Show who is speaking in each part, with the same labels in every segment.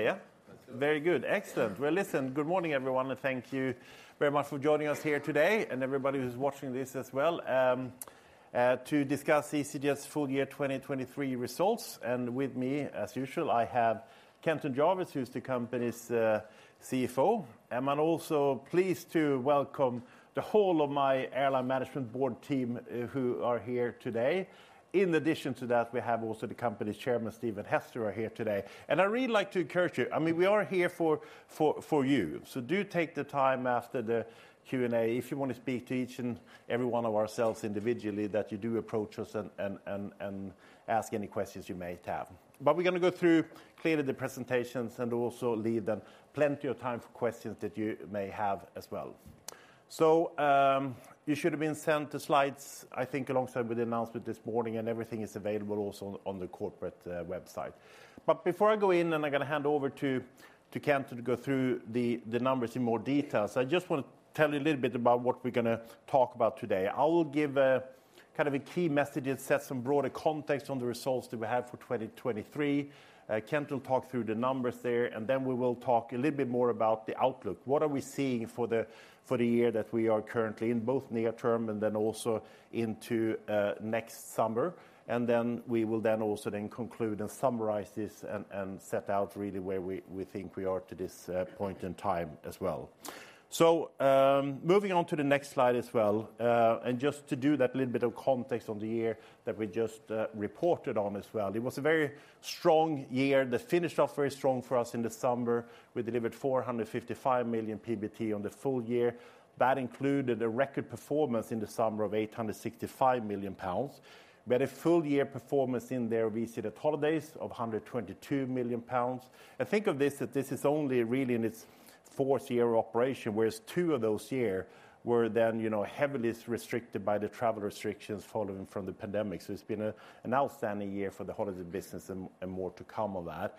Speaker 1: Yeah, very good. Excellent! Well, listen, good morning, everyone, and thank you very much for joining us here today, and everybody who's watching this as well, to discuss easyJet's full year 2023 results. And with me, as usual, I have Kenton Jarvis, who's the company's CFO. I'm also pleased to welcome the whole of my airline management board team, who are here today. In addition to that, we have also the company's chairman, Stephen Hester, here today. And I'd really like to encourage you, I mean, we are here for you. So do take the time after the Q&A, if you want to speak to each and every one of ourselves individually, that you do approach us and ask any questions you may have. But we're going to go through clearly the presentations and also leave them plenty of time for questions that you may have as well. So, you should have been sent the slides, I think, alongside with the announcement this morning, and everything is available also on the corporate website. But before I go in, and I'm going to hand over to Kenton to go through the numbers in more details, I just want to tell you a little bit about what we're going to talk about today. I will give a kind of a key message and set some broader context on the results that we have for 2023. Kenton will talk through the numbers there, and then we will talk a little bit more about the outlook. What are we seeing for the year that we are currently in, both near term and then also into next summer? And then we will conclude and summarize this and set out really where we think we are to this point in time as well. So, moving on to the next slide as well, and just to do that little bit of context on the year that we just reported on as well. It was a very strong year, that finished off very strong for us in the summer. We delivered 455 million PBT on the full year. That included a record performance in the summer of 865 million pounds, but a full year performance in there, we see the holidays of 122 million pounds. Think of this, that this is only really in its fourth year of operation, whereas two of those years were then, you know, heavily restricted by the travel restrictions following from the pandemic. So it's been an outstanding year for the holiday business and more to come on that.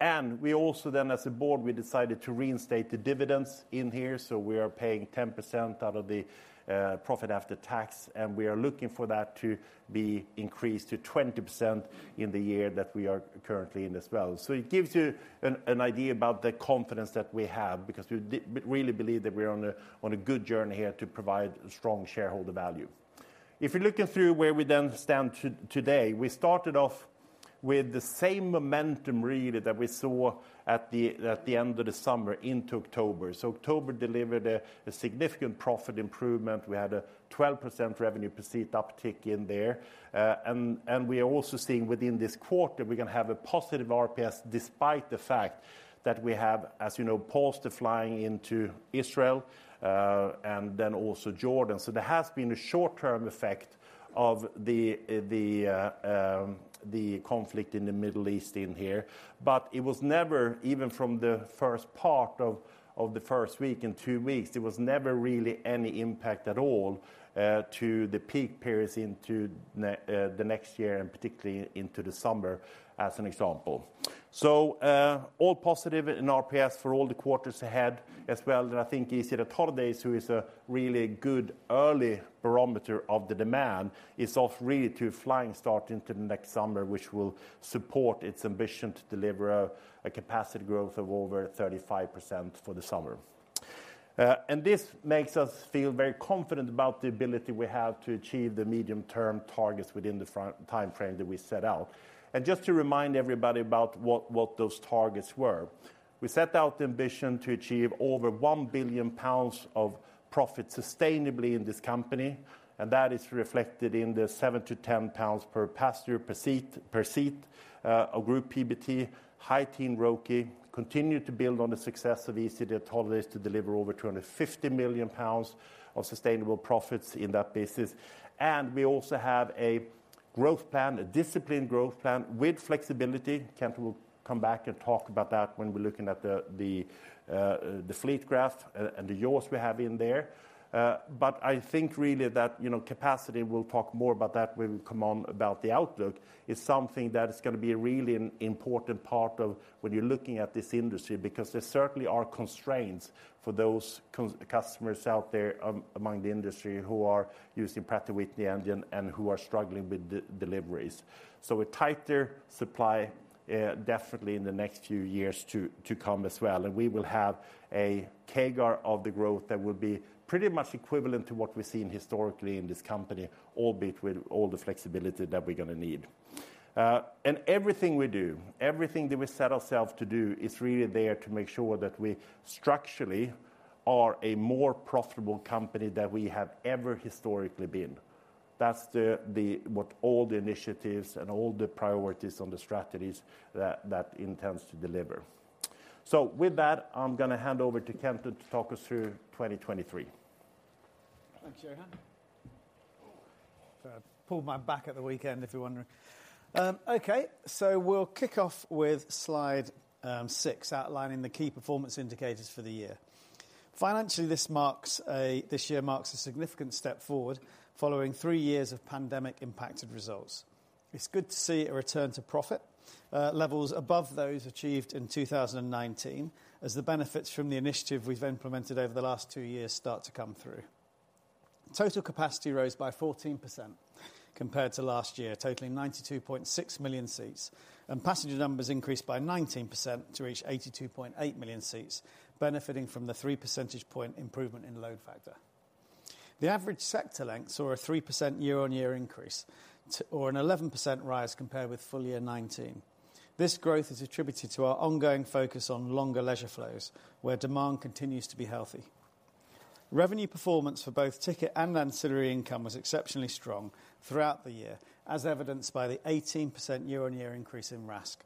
Speaker 1: And we also then, as a board, we decided to reinstate the dividends in here. So we are paying 10% out of the profit after tax, and we are looking for that to be increased to 20% in the year that we are currently in as well. So it gives you an idea about the confidence that we have, because we really believe that we're on a good journey here to provide strong shareholder value. If you're looking through where we then stand to today, we started off with the same momentum, really, that we saw at the end of the summer into October. So October delivered a significant profit improvement. We had a 12% revenue per seat uptick in there. And we are also seeing within this quarter, we're going to have a positive RPS, despite the fact that we have, as you know, paused the flying into Israel and then also Jordan. So there has been a short-term effect of the conflict in the Middle East in here. But it was never, even from the first part of the first week and two weeks, there was never really any impact at all to the peak periods into the next year, and particularly into the summer, as an example. So, all positive in RPS for all the quarters ahead as well, and I think you see that holidays, who is a really good early barometer of the demand, is off really to a flying start into the next summer, which will support its ambition to deliver a capacity growth of over 35% for the summer. And this makes us feel very confident about the ability we have to achieve the medium-term targets within the five-year time frame that we set out. Just to remind everybody about what, what those targets were, we set out the ambition to achieve over 1 billion pounds of profit sustainably in this company, and that is reflected in the 7-10 pounds per passenger per seat, per seat, a group PBT, high-teen ROCE, continue to build on the success of easyJet holidays to deliver over 250 million pounds of sustainable profits in that business. We also have a growth plan, a disciplined growth plan with flexibility. Kenton will come back and talk about that when we're looking at the fleet graph and the years we have in there. But I think really that, you know, capacity, we'll talk more about that when we come on about the outlook, is something that is going to be a really important part of when you're looking at this industry, because there certainly are constraints for those customers out there among the industry who are using Pratt & Whitney engine and who are struggling with the deliveries. So a tighter supply, definitely in the next few years to come as well. And we will have a CAGR of the growth that will be pretty much equivalent to what we've seen historically in this company, albeit with all the flexibility that we're going to need. And everything we do, everything that we set ourselves to do, is really there to make sure that we structurally are a more profitable company than we have ever historically been. That's what all the initiatives and all the priorities on the strategies that intends to deliver. So with that, I'm going to hand over to Kenton to talk us through 2023.
Speaker 2: Thanks, Johan. I pulled my back at the weekend, if you're wondering. Okay, so we'll kick off with slide six, outlining the key performance indicators for the year. Financially, this year marks a significant step forward following three years of pandemic-impacted results. It's good to see a return to profit levels above those achieved in 2019, as the benefits from the initiative we've implemented over the last two years start to come through. Total capacity rose by 14% compared to last year, totaling 92.6 million seats, and passenger numbers increased by 19% to reach 82.8 million seats, benefiting from the 3 percentage point improvement in load factor. The average sector length saw a 3% year-on-year increase to or an 11% rise compared with full year 2019. This growth is attributed to our ongoing focus on longer leisure flows, where demand continues to be healthy. Revenue performance for both ticket and ancillary income was exceptionally strong throughout the year, as evidenced by the 18% year-on-year increase in RASK.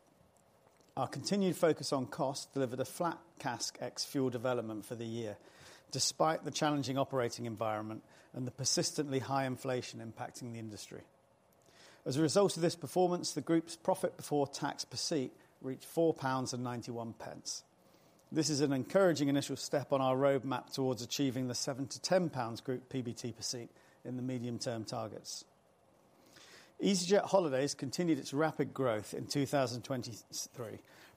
Speaker 2: Our continued focus on cost delivered a flat CASK ex-fuel development for the year, despite the challenging operating environment and the persistently high inflation impacting the industry. As a result of this performance, the Group's profit before tax per seat reached 4.91. This is an encouraging initial step on our roadmap towards achieving the 7-10 pounds group PBT per seat in the medium-term targets. easyJet holidays continued its rapid growth in 2023,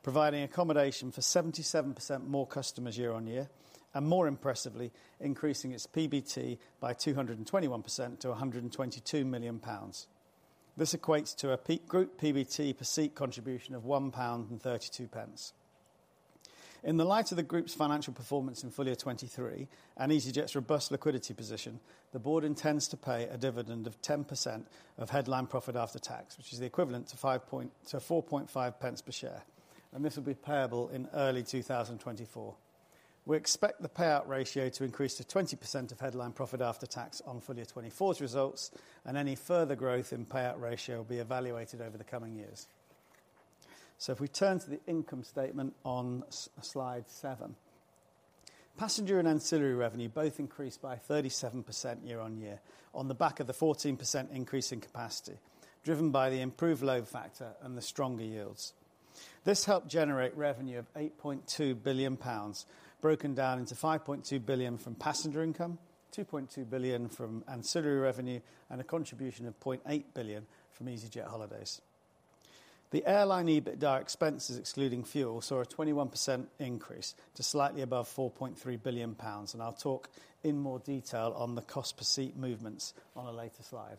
Speaker 2: providing accommodation for 77% more customers year-on-year, and more impressively, increasing its PBT by 221% to 122 million pounds. This equates to a peak group PBT per seat contribution of 1.32 pound. In the light of the Group's financial performance in full year 2023 and easyJet's robust liquidity position, the Board intends to pay a dividend of 10% of headline profit after tax, which is the equivalent to 0.045 per share, and this will be payable in early 2024. We expect the payout ratio to increase to 20% of headline profit after tax on full year 2024's results, and any further growth in payout ratio will be evaluated over the coming years. If we turn to the income statement on slide seven. Passenger and ancillary revenue both increased by 37% year-on-year, on the back of the 14% increase in capacity, driven by the improved load factor and the stronger yields. This helped generate revenue of 8.2 billion pounds, broken down into 5.2 billion from passenger income, 2.2 billion from ancillary revenue, and a contribution of 0.8 billion from easyJet holidays. The airline EBITDA expenses, excluding fuel, saw a 21% increase to slightly above 4.3 billion pounds, and I'll talk in more detail on the cost per seat movements on a later slide.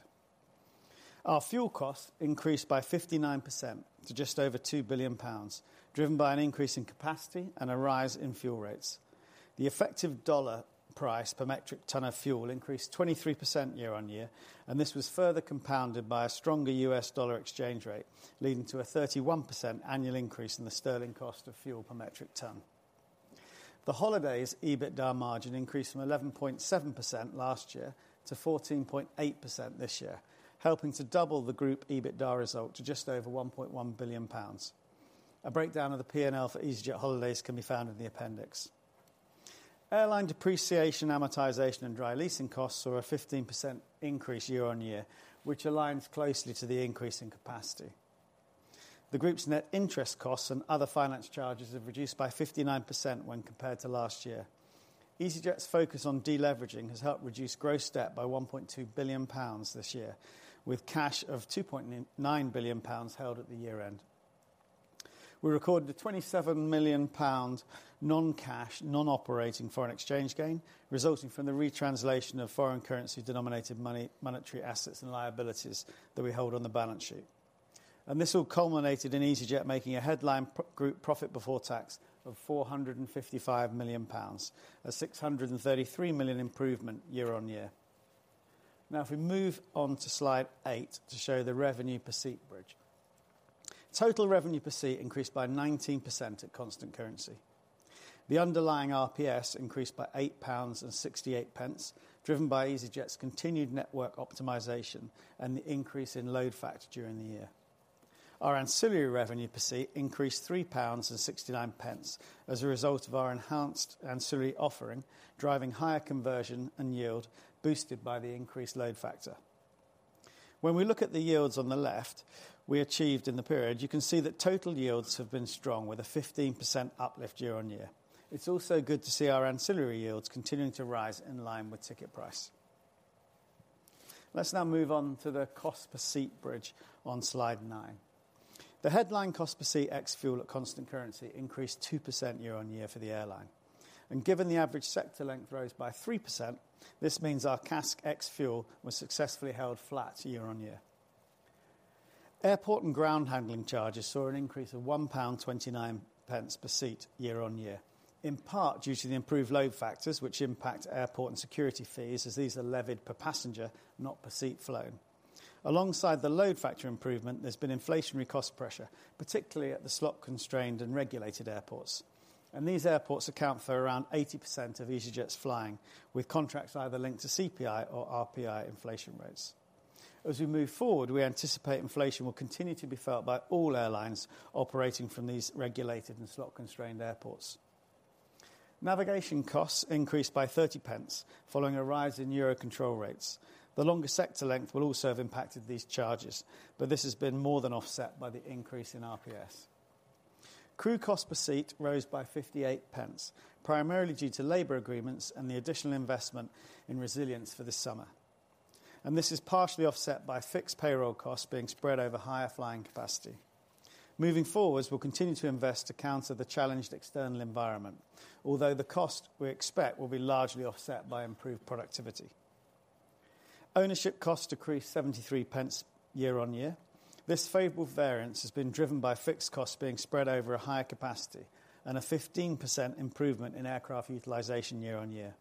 Speaker 2: Our fuel costs increased by 59% to just over 2 billion pounds, driven by an increase in capacity and a rise in fuel rates. The effective dollar price per metric ton of fuel increased 23% year-on-year, and this was further compounded by a stronger U.S. dollar exchange rate, leading to a 31% annual increase in the sterling cost of fuel per metric ton. The holiday's EBITDA margin increased from 11.7% last year to 14.8% this year, helping to double the group EBITDA result to just over 1.1 billion pounds. A breakdown of the P&L for easyJet holidays can be found in the appendix. Airline depreciation, amortization, and dry leasing costs saw a 15% increase year-on-year, which aligns closely to the increase in capacity. The group's net interest costs and other finance charges have reduced by 59% when compared to last year. easyJet's focus on deleveraging has helped reduce gross debt by 1.2 billion pounds this year, with cash of 2.9 billion pounds held at the year-end. We recorded a 27 million pound non-cash, non-operating foreign exchange gain, resulting from the retranslation of foreign currency denominated money, monetary assets and liabilities that we hold on the balance sheet. This all culminated in easyJet making a headline pre-tax group profit before tax of 455 million pounds, a 633 million improvement year-on-year. Now, if we move on to slide eight, to show the revenue per seat bridge. Total revenue per seat increased by 19% at constant currency. The underlying RPS increased by 8.68 pounds, driven by easyJet's continued network optimization and the increase in load factor during the year. Our ancillary revenue per seat increased 3.69 pounds as a result of our enhanced ancillary offering, driving higher conversion and yield, boosted by the increased load factor. When we look at the yields on the left, we achieved in the period, you can see that total yields have been strong, with a 15% uplift year-on-year. It's also good to see our ancillary yields continuing to rise in line with ticket price. Let's now move on to the cost per seat bridge on slide nine. The headline cost per seat ex-fuel at constant currency increased 2% year-on-year for the airline. Given the average sector length rose by 3%, this means our CASK ex-fuel was successfully held flat year-on-year. Airport and ground handling charges saw an increase of 1.29 pound per seat year-on-year, in part due to the improved load factors, which impact airport and security fees, as these are levied per passenger, not per seat flown. Alongside the load factor improvement, there's been inflationary cost pressure, particularly at the slot-constrained and regulated airports. These airports account for around 80% of easyJet's flying, with contracts either linked to CPI or RPI inflation rates. As we move forward, we anticipate inflation will continue to be felt by all airlines operating from these regulated and slot-constrained airports. Navigation costs increased by 0.30, following a rise in Eurocontrol rates. The longer sector length will also have impacted these charges, but this has been more than offset by the increase in RPS. Crew cost per seat rose by 0.58, primarily due to labor agreements and the additional investment in resilience for this summer... and this is partially offset by fixed payroll costs being spread over higher flying capacity. Moving forward, we'll continue to invest to counter the challenged external environment, although the cost we expect will be largely offset by improved productivity. Ownership costs decreased 0.73 year-on-year. This favorable variance has been driven by fixed costs being spread over a higher capacity and a 15% improvement in aircraft utilization year-on-year.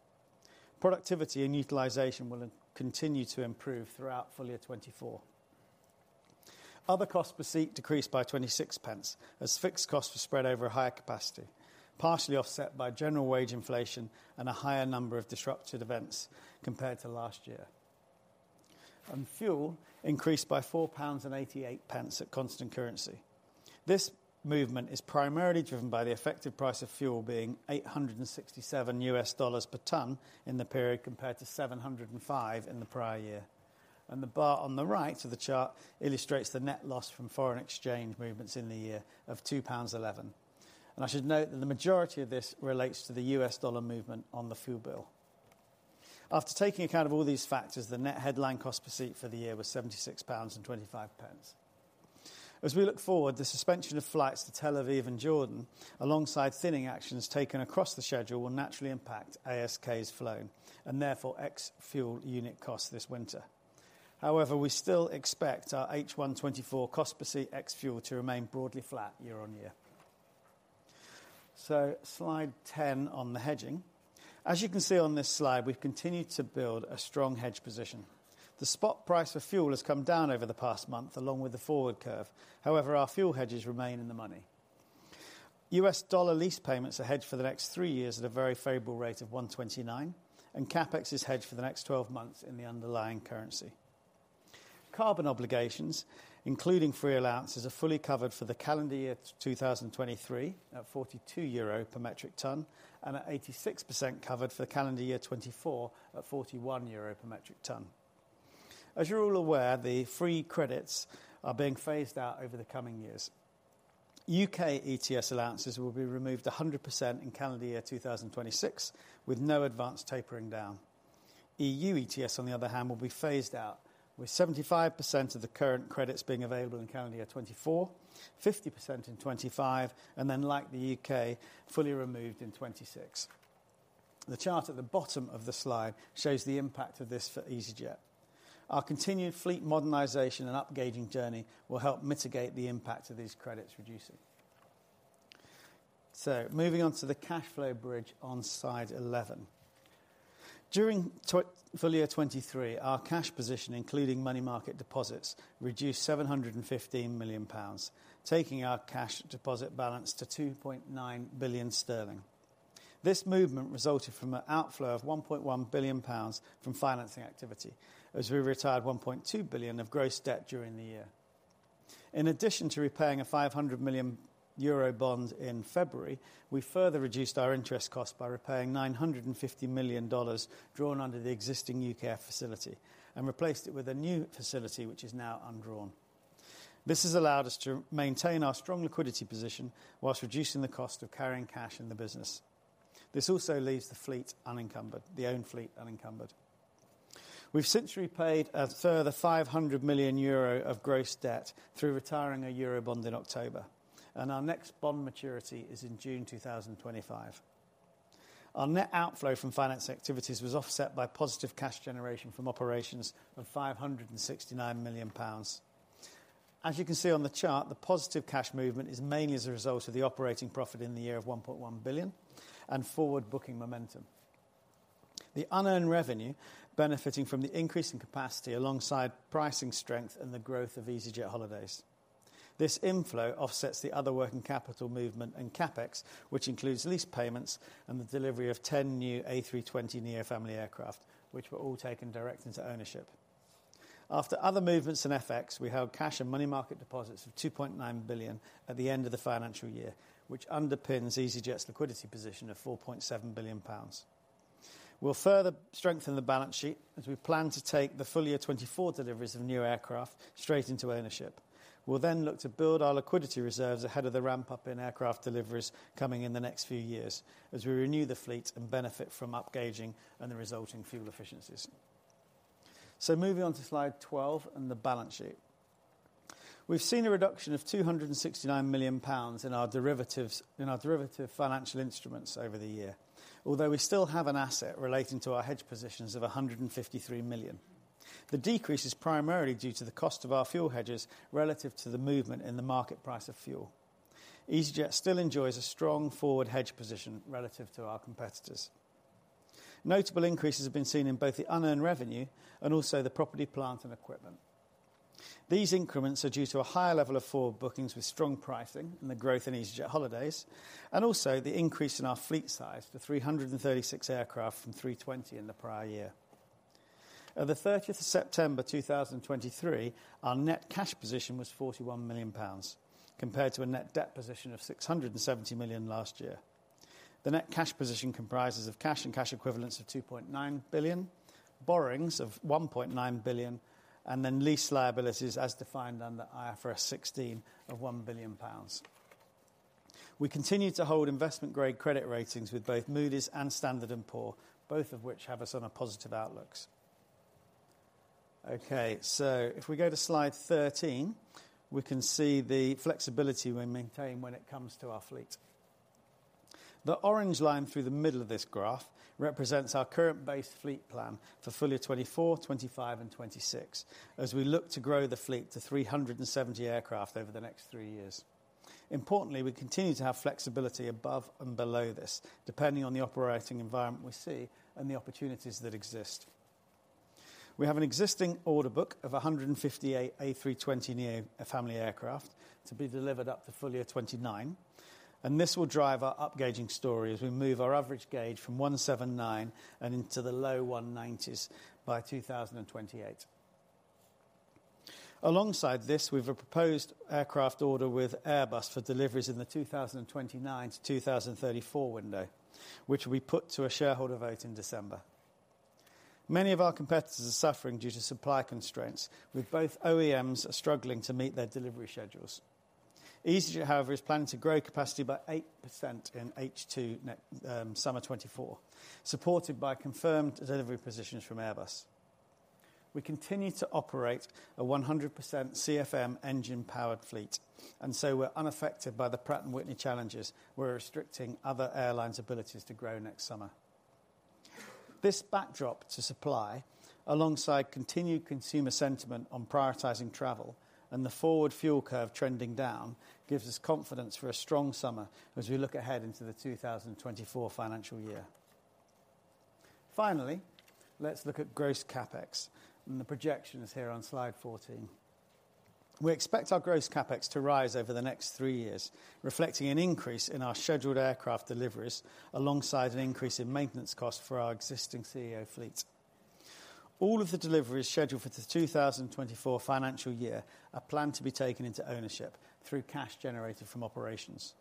Speaker 2: Productivity and utilization will continue to improve throughout full year 2024. Other costs per seat decreased by 0.26, as fixed costs were spread over a higher capacity, partially offset by general wage inflation and a higher number of disrupted events compared to last year. Fuel increased by 4.88 pounds at constant currency. This movement is primarily driven by the effective price of fuel being $867 per ton in the period, compared to $705 in the prior year. The bar on the right of the chart illustrates the net loss from foreign exchange movements in the year of 2.11 pounds. I should note that the majority of this relates to the U.S. dollar movement on the fuel bill. After taking account of all these factors, the net headline cost per seat for the year was 76.25 pounds. As we look forward, the suspension of flights to Tel Aviv and Jordan, alongside thinning actions taken across the schedule, will naturally impact ASK's flow and therefore, ex-fuel unit cost this winter. However, we still expect our H1 2024 cost per seat ex-fuel to remain broadly flat year-on-year. So slide 10 on the hedging. As you can see on this slide, we've continued to build a strong hedge position. The spot price of fuel has come down over the past month, along with the forward curve. However, our fuel hedges remain in the money. U.S. dollar lease payments are hedged for the next three years at a very favorable rate of 1.29, and CapEx is hedged for the next 12 months in the underlying currency. Carbon obligations, including free allowances, are fully covered for the calendar year 2023, at 42 euro per metric ton, and at 86% covered for calendar year 2024 at 41 euro per metric ton. As you're all aware, the free credits are being phased out over the coming years. U.K. ETS allowances will be removed 100% in calendar year 2026, with no advanced tapering down. EU ETS, on the other hand, will be phased out, with 75% of the current credits being available in calendar year 2024, 50% in 2025, and then, like the U.K., fully removed in 2026. The chart at the bottom of the slide shows the impact of this for easyJet. Our continued fleet modernization and upgauging journey will help mitigate the impact of these credits reducing. So moving on to the cash flow bridge on slide 11. During the full year 2023, our cash position, including money market deposits, reduced GBP 715 million, taking our cash deposit balance to 2.9 billion sterling. This movement resulted from an outflow of GBP 1.1 billion from financing activity, as we retired GBP 1.2 billion of gross debt during the year. In addition to repaying a 500 million euro bond in February, we further reduced our interest costs by repaying $950 million, drawn under the existing UKF facility, and replaced it with a new facility, which is now undrawn. This has allowed us to maintain our strong liquidity position whilst reducing the cost of carrying cash in the business. This also leaves the fleet unencumbered, the own fleet unencumbered. We've since repaid a further 500 million euro of gross debt through retiring a euro bond in October, and our next bond maturity is in June 2025. Our net outflow from finance activities was offset by positive cash generation from operations of 569 million pounds. As you can see on the chart, the positive cash movement is mainly as a result of the operating profit in the year of 1.1 billion and forward booking momentum. The unearned revenue benefiting from the increase in capacity, alongside pricing strength and the growth of easyJet holidays. This inflow offsets the other working capital movement and CapEx, which includes lease payments and the delivery of 10 new A320neo family aircraft, which were all taken direct into ownership. After other movements in FX, we held cash and money market deposits of 2.9 billion at the end of the financial year, which underpins easyJet's liquidity position of 4.7 billion pounds. We'll further strengthen the balance sheet as we plan to take the full year 2024 deliveries of new aircraft straight into ownership. We'll then look to build our liquidity reserves ahead of the ramp-up in aircraft deliveries coming in the next few years, as we renew the fleet and benefit from upgauging and the resulting fuel efficiencies. So moving on to slide 12 and the balance sheet. We've seen a reduction of 269 million pounds in our derivatives, in our derivative financial instruments over the year, although we still have an asset relating to our hedge positions of 153 million. The decrease is primarily due to the cost of our fuel hedges relative to the movement in the market price of fuel. easyJet still enjoys a strong forward hedge position relative to our competitors. Notable increases have been seen in both the unearned revenue and also the property, plant and equipment. These increments are due to a higher level of forward bookings with strong pricing and the growth in easyJet holidays, and also the increase in our fleet size to 336 aircraft from 320 in the prior year. At the 30th of September 2023, our net cash position was GBP 41 million, compared to a net debt position of GBP 670 million last year. The net cash position comprises of cash and cash equivalents of GBP 2.9 billion, borrowings of GBP 1.9 billion, and then lease liabilities as defined under IFRS 16 of GBP 1 billion. We continue to hold investment-grade credit ratings with both Moody's and Standard & Poor's, both of which have us on a positive outlooks. Okay, so if we go to slide 13, we can see the flexibility we maintain when it comes to our fleet. The orange line through the middle of this graph represents our current base fleet plan for full year 2024, 2025 and 2026, as we look to grow the fleet to 370 aircraft over the next three years. Importantly, we continue to have flexibility above and below this, depending on the operating environment we see and the opportunities that exist. We have an existing order book of 158 A320neo family aircraft to be delivered up to full year 2029, and this will drive our upgauging story as we move our average gauge from 179 and into the low 190s by 2028. Alongside this, we've a proposed aircraft order with Airbus for deliveries in the 2029 to 2034 window, which we put to a shareholder vote in December. Many of our competitors are suffering due to supply constraints, with both OEMs struggling to meet their delivery schedules. easyJet, however, is planning to grow capacity by 8% in H2 next summer 2024, supported by confirmed delivery positions from Airbus. We continue to operate a 100% CFM engine-powered fleet, and so we're unaffected by the Pratt & Whitney challenges, we're restricting other airlines' abilities to grow next summer. This backdrop to supply, alongside continued consumer sentiment on prioritizing travel and the forward fuel curve trending down, gives us confidence for a strong summer as we look ahead into the 2024 financial year. Finally, let's look at gross CapEx, and the projection is here on slide 14. We expect our gross CapEx to rise over the next three years, reflecting an increase in our scheduled aircraft deliveries, alongside an increase in maintenance costs for our existing CEO fleet. All of the deliveries scheduled for the 2024 financial year are planned to be taken into ownership through cash generated from operations.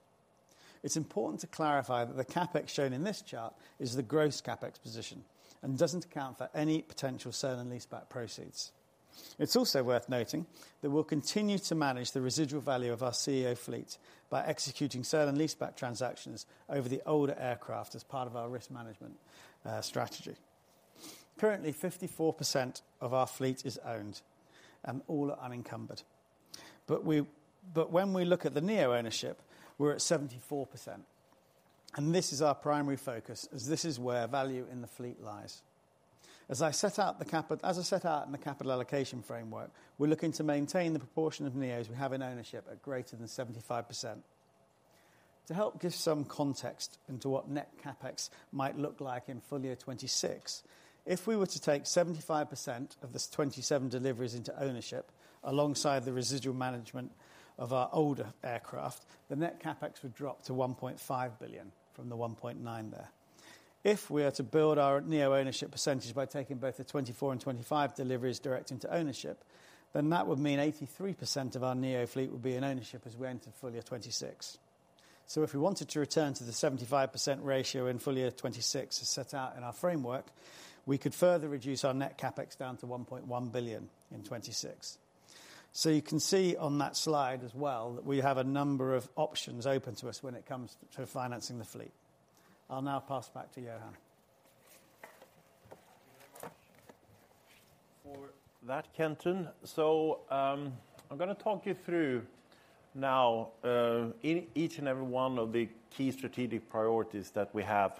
Speaker 2: It's important to clarify that the CapEx shown in this chart is the gross CapEx position and doesn't account for any potential sale and leaseback proceeds. It's also worth noting that we'll continue to manage the residual value of our CEO fleet by executing sale and leaseback transactions over the older aircraft as part of our risk management strategy. Currently, 54% of our fleet is owned and all are unencumbered. But when we look at the neo-ownership, we're at 74%, and this is our primary focus as this is where value in the fleet lies. As I set out in the capital allocation framework, we're looking to maintain the proportion of neos we have in ownership at greater than 75%. To help give some context into what net CapEx might look like in full year 2026, if we were to take 75% of this 27 deliveries into ownership, alongside the residual management of our older aircraft, the net CapEx would drop to 1.5 billion from the 1.9 billion there. If we are to build our neo-ownership percentage by taking both the 2024 and 2025 deliveries direct into ownership, then that would mean 83% of our NEO fleet would be in ownership as we enter full year 2026. So if we wanted to return to the 75% ratio in full year 2026, as set out in our framework, we could further reduce our net CapEx down to 1.1 billion in 2026. So you can see on that slide as well, that we have a number of options open to us when it comes to financing the fleet. I'll now pass back to Johan.
Speaker 1: Thank you very much for that, Kenton. So, I'm going to talk you through now, each and every one of the key strategic priorities that we have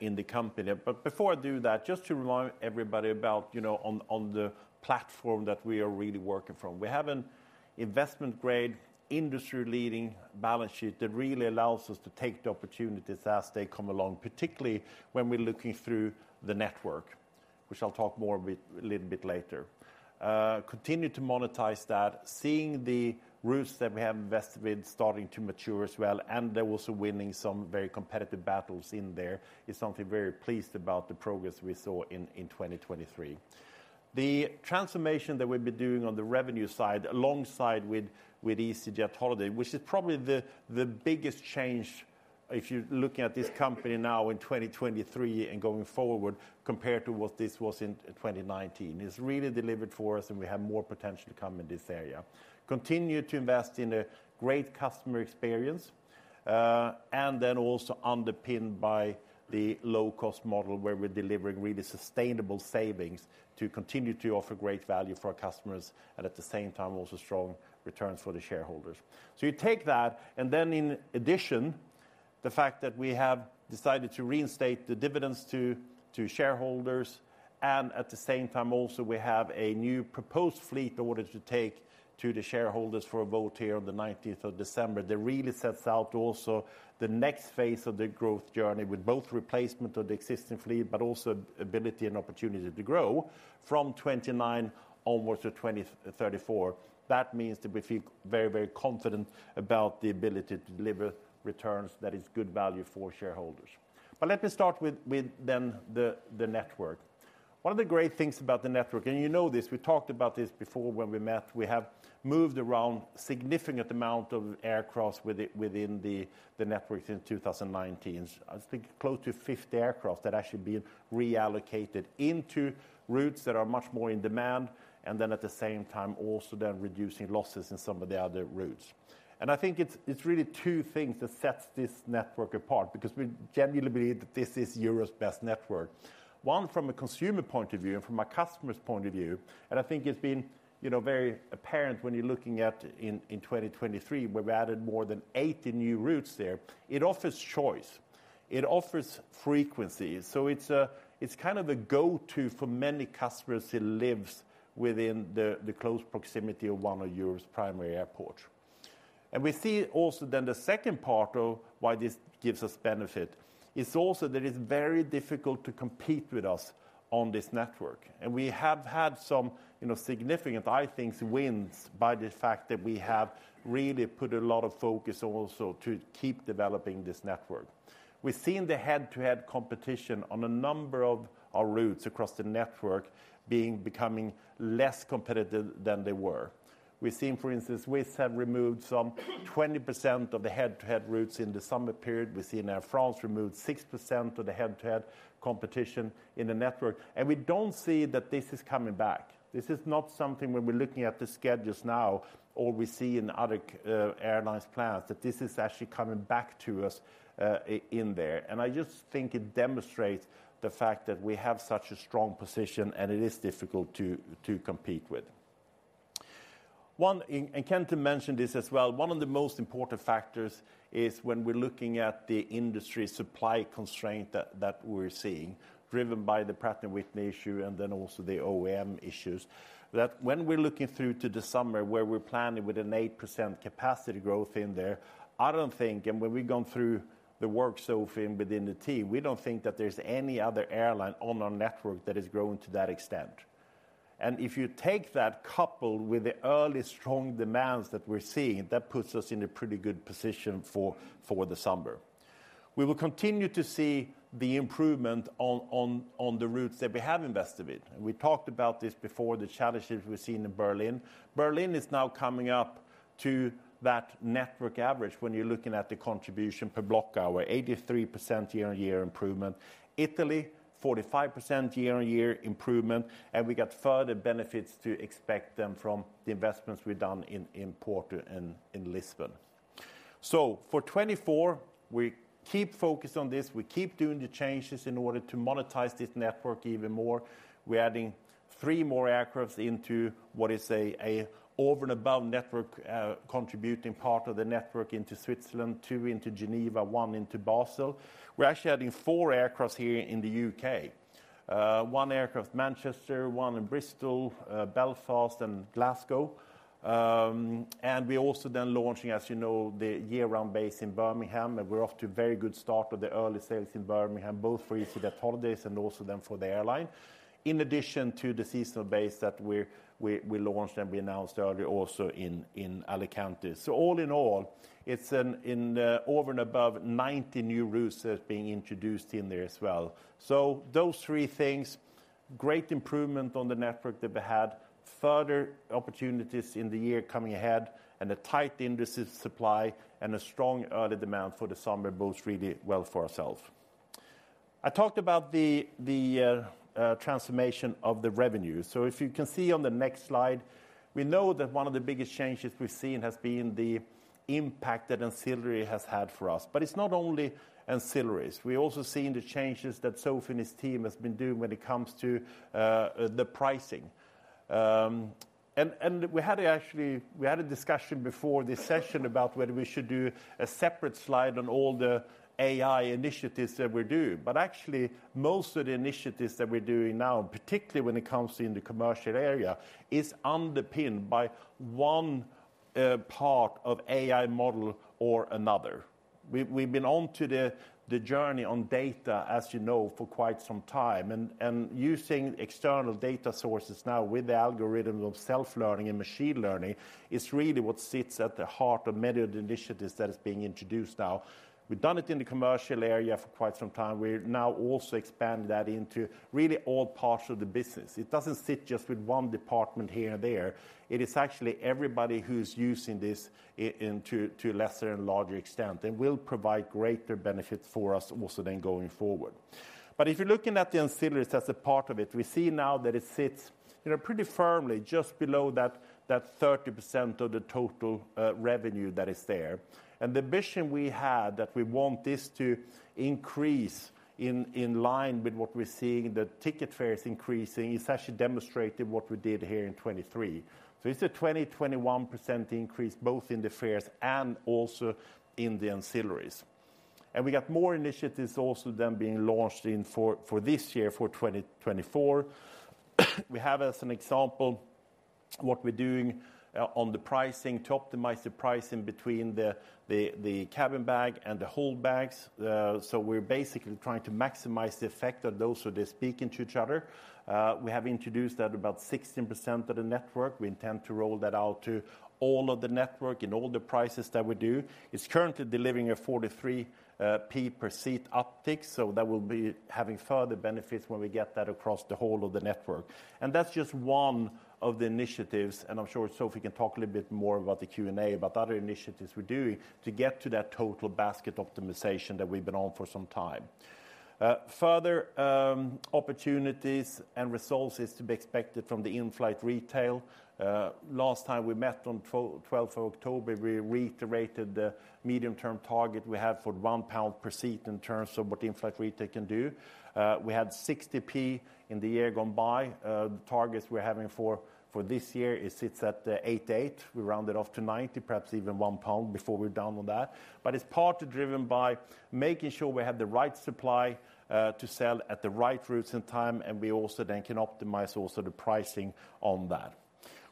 Speaker 1: in the company. But before I do that, just to remind everybody about, you know, on the platform that we are really working from. We have an investment-grade, industry-leading balance sheet that really allows us to take the opportunities as they come along, particularly when we're looking through the network, which I'll talk more a bit, a little bit later. Continue to monetize that, seeing the routes that we have invested in starting to mature as well, and they're also winning some very competitive battles in there, is something very pleased about the progress we saw in 2023. The transformation that we've been doing on the revenue side, alongside with, with easyJet holidays, which is probably the, the biggest change if you're looking at this company now in 2023 and going forward, compared to what this was in 2019. It's really delivered for us and we have more potential to come in this area. Continue to invest in a great customer experience, and then also underpinned by the low-cost model, where we're delivering really sustainable savings to continue to offer great value for our customers and at the same time, also strong returns for the shareholders. So you take that, and then in addition, the fact that we have decided to reinstate the dividends to shareholders, and at the same time also, we have a new proposed fleet order to take to the shareholders for a vote here on the 19th of December, that really sets out also the next phase of the growth journey with both replacement of the existing fleet, but also ability and opportunity to grow from 2029 onwards to 2034. That means that we feel very, very confident about the ability to deliver returns that is good value for shareholders. But let me start with the network. One of the great things about the network, and you know this, we talked about this before when we met, we have moved around significant amount of aircrafts with it within the network in 2019. I think close to 50 aircraft that actually been reallocated into routes that are much more in demand, and then at the same time, also then reducing losses in some of the other routes. And I think it's, it's really two things that sets this network apart, because we genuinely believe that this is Europe's best network. One, from a consumer point of view and from a customer's point of view, and I think it's been, you know, very apparent when you're looking at in, in 2023, where we added more than 80 new routes there. It offers choice. It offers frequency. So it's a- it's kind of the go-to for many customers who lives within the, the close proximity of one of Europe's primary airports. And we see also then the second part of why this gives us benefit, is also that it's very difficult to compete with us on this network. And we have had some, you know, significant, I think, wins by the fact that we have really put a lot of focus also to keep developing this network. We've seen the head-to-head competition on a number of our routes across the network being becoming less competitive than they were. We've seen, for instance, Swiss have removed some 20% of the head-to-head routes in the summer period. We've seen Air France removed 6% of the head-to-head competition in the network, and we don't see that this is coming back. This is not something when we're looking at the schedules now, or we see in other airlines plans, that this is actually coming back to us in there. And I just think it demonstrates the fact that we have such a strong position and it is difficult to compete with. One, and Kenton mentioned this as well, one of the most important factors is when we're looking at the industry supply constraint that we're seeing, driven by the Pratt & Whitney issue and then also the OEM issues, that when we're looking through to the summer, where we're planning with an 8% capacity growth in there, I don't think, and when we've gone through the work, Sophie, within the team, we don't think that there's any other airline on our network that is growing to that extent. And if you take that, coupled with the early strong demands that we're seeing, that puts us in a pretty good position for the summer. We will continue to see the improvement on the routes that we have invested in. We talked about this before, the challenges we've seen in Berlin. Berlin is now coming up to that network average when you're looking at the contribution per block hour, 83% year-on-year improvement, Italy, 45% year-on-year improvement, and we got further benefits to expect them from the investments we've done in Porto and in Lisbon. So for 2024, we keep focused on this. We keep doing the changes in order to monetize this network even more. We're adding three more aircraft into what is an over and above network contributing part of the network into Switzerland, two into Geneva, one into Basel. We're actually adding four aircraft here in the U.K., one aircraft, Manchester, one in Bristol, Belfast and Glasgow. And we're also then launching, as you know, the year-round base in Birmingham, and we're off to a very good start with the early sales in Birmingham, both for easyJet holidays and also then for the airline. In addition to the seasonal base that we launched and we announced earlier also in Alicante. So all in all, it's over and above 90 new routes that's being introduced in there as well. So those three things, great improvement on the network that we had, further opportunities in the year coming ahead, and a tight industry supply and a strong early demand for the summer bodes really well for ourselves. I talked about the transformation of the revenue. So if you can see on the next slide, we know that one of the biggest changes we've seen has been the impact that ancillary has had for us. But it's not only ancillaries. We're also seeing the changes that Sophie and his team has been doing when it comes to the pricing. And we had actually, we had a discussion before this session about whether we should do a separate slide on all the AI initiatives that we're doing. But actually, most of the initiatives that we're doing now, particularly when it comes in the commercial area, is underpinned by one part of AI model or another. We've been on the journey on data, as you know, for quite some time, and using external data sources now with the algorithm of self-learning and machine learning is really what sits at the heart of many of the initiatives that is being introduced now. We've done it in the commercial area for quite some time. We're now also expanding that into really all parts of the business. It doesn't sit just with one department here and there. It is actually everybody who's using this into, to a lesser and larger extent, and will provide greater benefits for us also then going forward. But if you're looking at the ancillaries as a part of it, we see now that it sits, you know, pretty firmly just below that 30% of the total revenue that is there. The vision we had, that we want this to increase in line with what we're seeing, the ticket fares increasing, it's actually demonstrated what we did here in 2023. So it's a 21% increase, both in the fares and also in the ancillaries. We got more initiatives being launched for this year, for 2024. We have, as an example, what we're doing on the pricing to optimize the pricing between the cabin bag and the hold bags. So we're basically trying to maximize the effect of those so they're speaking to each other. We have introduced that about 16% of the network. We intend to roll that out to all of the network in all the prices that we do. It's currently delivering a 43p per seat uptick, so that will be having further benefits when we get that across the whole of the network. And that's just one of the initiatives, and I'm sure Sophie can talk a little bit more about the Q&A, about other initiatives we're doing to get to that total basket optimization that we've been on for some time. Further, opportunities and results is to be expected from the in-flight retail. Last time we met on 12th of October, we reiterated the medium-term target we have for 1 pound per seat in terms of what in-flight retail can do. We had 60p in the year gone by. The targets we're having for this year, it sits at 88. We round it off to 90, perhaps even 1 pound before we're done on that. But it's partly driven by making sure we have the right supply to sell at the right routes and time, and we also then can optimize also the pricing on that.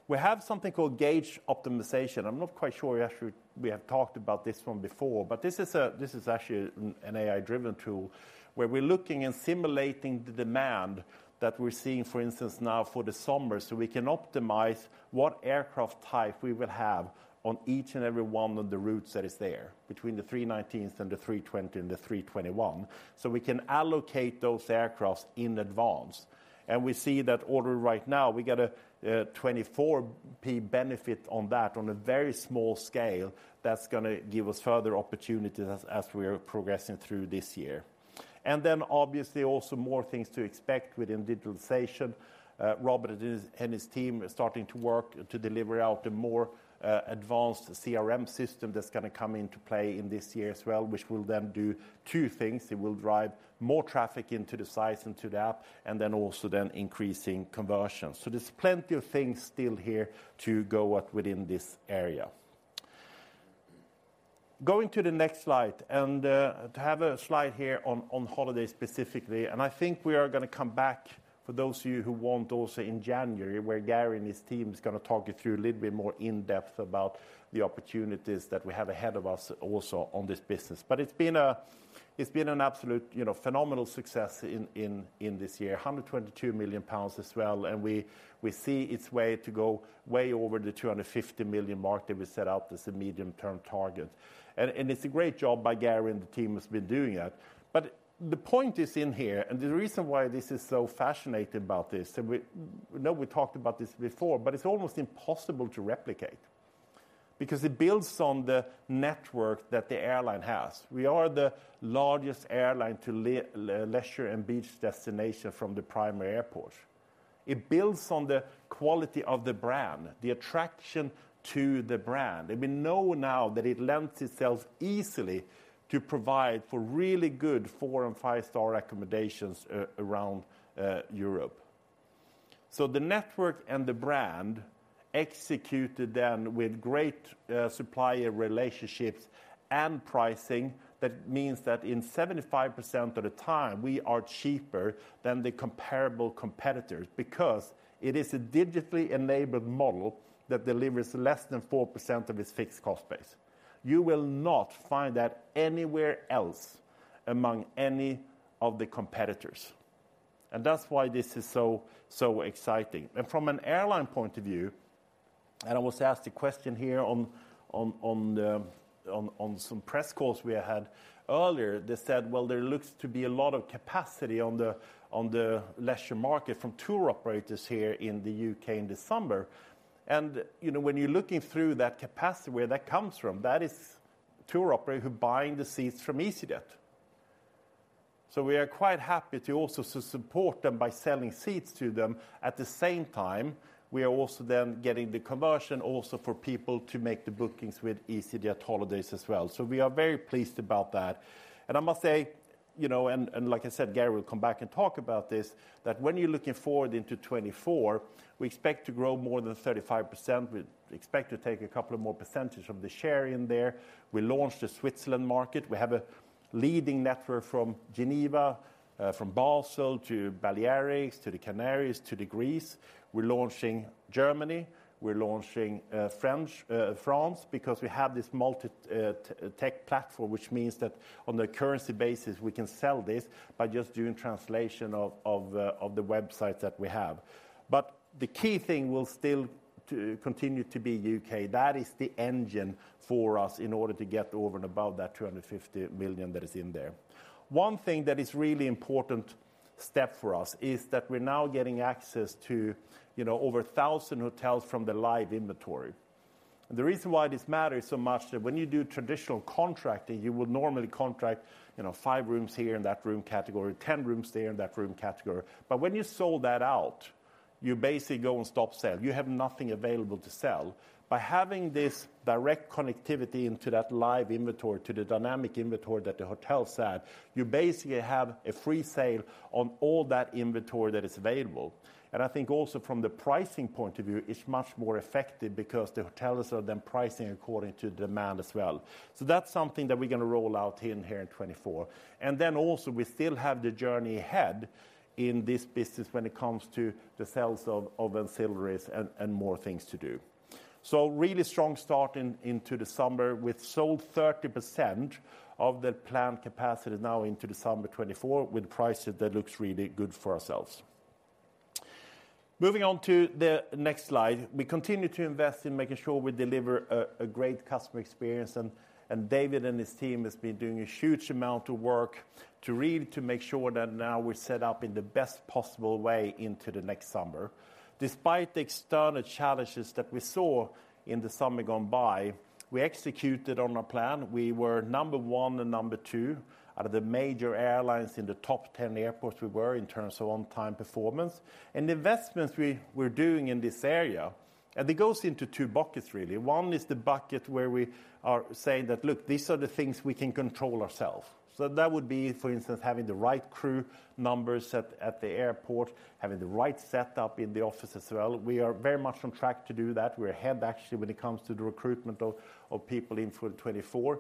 Speaker 1: We have something called gauge optimization. I'm not quite sure we actually have talked about this one before, but this is actually an AI-driven tool, where we're looking and simulating the demand that we're seeing, for instance, now for the summer, so we can optimize what aircraft type we will have on each and every one of the routes that is there, between the 319s and the 320 and the 321. So we can allocate those aircraft in advance, and we see that order right now, we get a 24p benefit on that on a very small scale. That's gonna give us further opportunities as we are progressing through this year. Then, obviously, also more things to expect within digitalization. Robert and his team are starting to work to deliver out a more advanced CRM system that's gonna come into play in this year as well, which will then do two things. It will drive more traffic into the sites and to the app, and then also increasing conversions. So there's plenty of things still here to go at within this area. Going to the next slide, and to have a slide here on holidays specifically, and I think we are gonna come back for those of you who want also in January, where Garry and his team is gonna talk you through a little bit more in-depth about the opportunities that we have ahead of us also on this business. But it's been an absolute, you know, phenomenal success in this year. 122 million pounds as well, and we see its way to go way over the 250 million mark that we set out as a medium-term target. And it's a great job by Garry and the team has been doing that. But the point is in here, and the reason why this is so fascinating about this, and we... I know we talked about this before, but it's almost impossible to replicate because it builds on the network that the airline has. We are the largest airline to leisure and beach destination from the primary airport. It builds on the quality of the brand, the attraction to the brand, and we know now that it lends itself easily to provide for really good four- and five-star accommodations around Europe. So the network and the brand executed then with great supplier relationships and pricing, that means that in 75% of the time, we are cheaper than the comparable competitors because it is a digitally enabled model that delivers less than 4% of its fixed cost base. You will not find that anywhere else among any of the competitors, and that's why this is so, so exciting. And from an airline point of view, and I was asked a question here on some press calls we had earlier. They said, "Well, there looks to be a lot of capacity on the leisure market from tour operators here in the U.K. in the summer." And, you know, when you're looking through that capacity, where that comes from, that is tour operator who buying the seats from easyJet. So we are quite happy to also support them by selling seats to them. At the same time, we are also then getting the conversion also for people to make the bookings with easyJet holidays as well. So we are very pleased about that. I must say, you know, like I said, Garry will come back and talk about this, that when you're looking forward into 2024, we expect to grow more than 35%. We expect to take a couple of more percentage of the share in there. We launched a Switzerland market. We have a leading network from Geneva, from Basel to Balearics, to the Canaries, to the Greece. We're launching Germany, we're launching French, France, because we have this multi-tech platform, which means that on the currency basis, we can sell this by just doing translation of the websites that we have. But the key thing will still to continue to be U.K. That is the engine for us in order to get over and above that 250 million that is in there. One thing that is really important step for us is that we're now getting access to, you know, over 1,000 hotels from the live inventory. And the reason why this matters so much, that when you do traditional contracting, you would normally contract, you know, five rooms here in that room category, 10 rooms there in that room category. But when you sold that out, you basically go and stop sale. You have nothing available to sell. By having this direct connectivity into that live inventory, to the dynamic inventory that the hotel said, you basically have a free sale on all that inventory that is available. And I think also from the pricing point of view, it's much more effective because the hotels are then pricing according to demand as well. So that's something that we're gonna roll out in here in 2024. We still have the journey ahead in this business when it comes to the sales of ancillaries and more things to do. So really strong start into the summer. We've sold 30% of the planned capacity now into the summer 2024, with prices that looks really good for ourselves. Moving on to the next slide, we continue to invest in making sure we deliver a great customer experience, and David and his team has been doing a huge amount of work to really make sure that now we're set up in the best possible way into the next summer. Despite the external challenges that we saw in the summer gone by, we executed on our plan. We were number one and number two out of the major airlines in the top ten airports, in terms of on-time performance. The investments we're doing in this area, and it goes into two buckets really. One is the bucket where we are saying that, "Look, these are the things we can control ourselves." So that would be, for instance, having the right crew numbers at the airport, having the right setup in the office as well. We are very much on track to do that. We're ahead actually, when it comes to the recruitment of people in for 2024.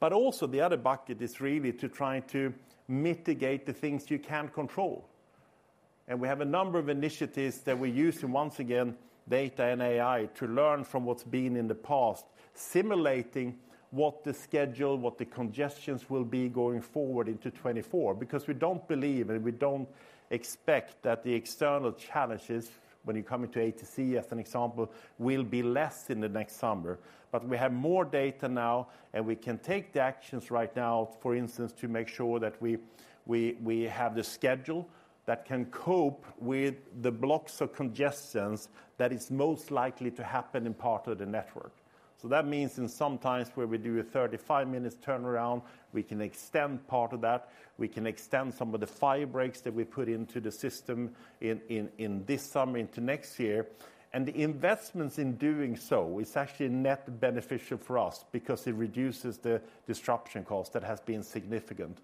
Speaker 1: But also the other bucket is really to try to mitigate the things you can't control. We have a number of initiatives that we're using, once again, data and AI, to learn from what's been in the past, simulating what the schedule, what the congestions will be going forward into 2024. Because we don't believe, and we don't expect that the external challenges, when you come into ATC, as an example, will be less in the next summer. But we have more data now, and we can take the actions right now, for instance, to make sure that we have the schedule that can cope with the blocks of congestions that is most likely to happen in part of the network. So that means in some times where we do a 35-minute turnaround, we can extend part of that. We can extend some of the fire breaks that we put into the system in this summer into next year. And the investments in doing so is actually a net beneficial for us because it reduces the disruption cost that has been significant.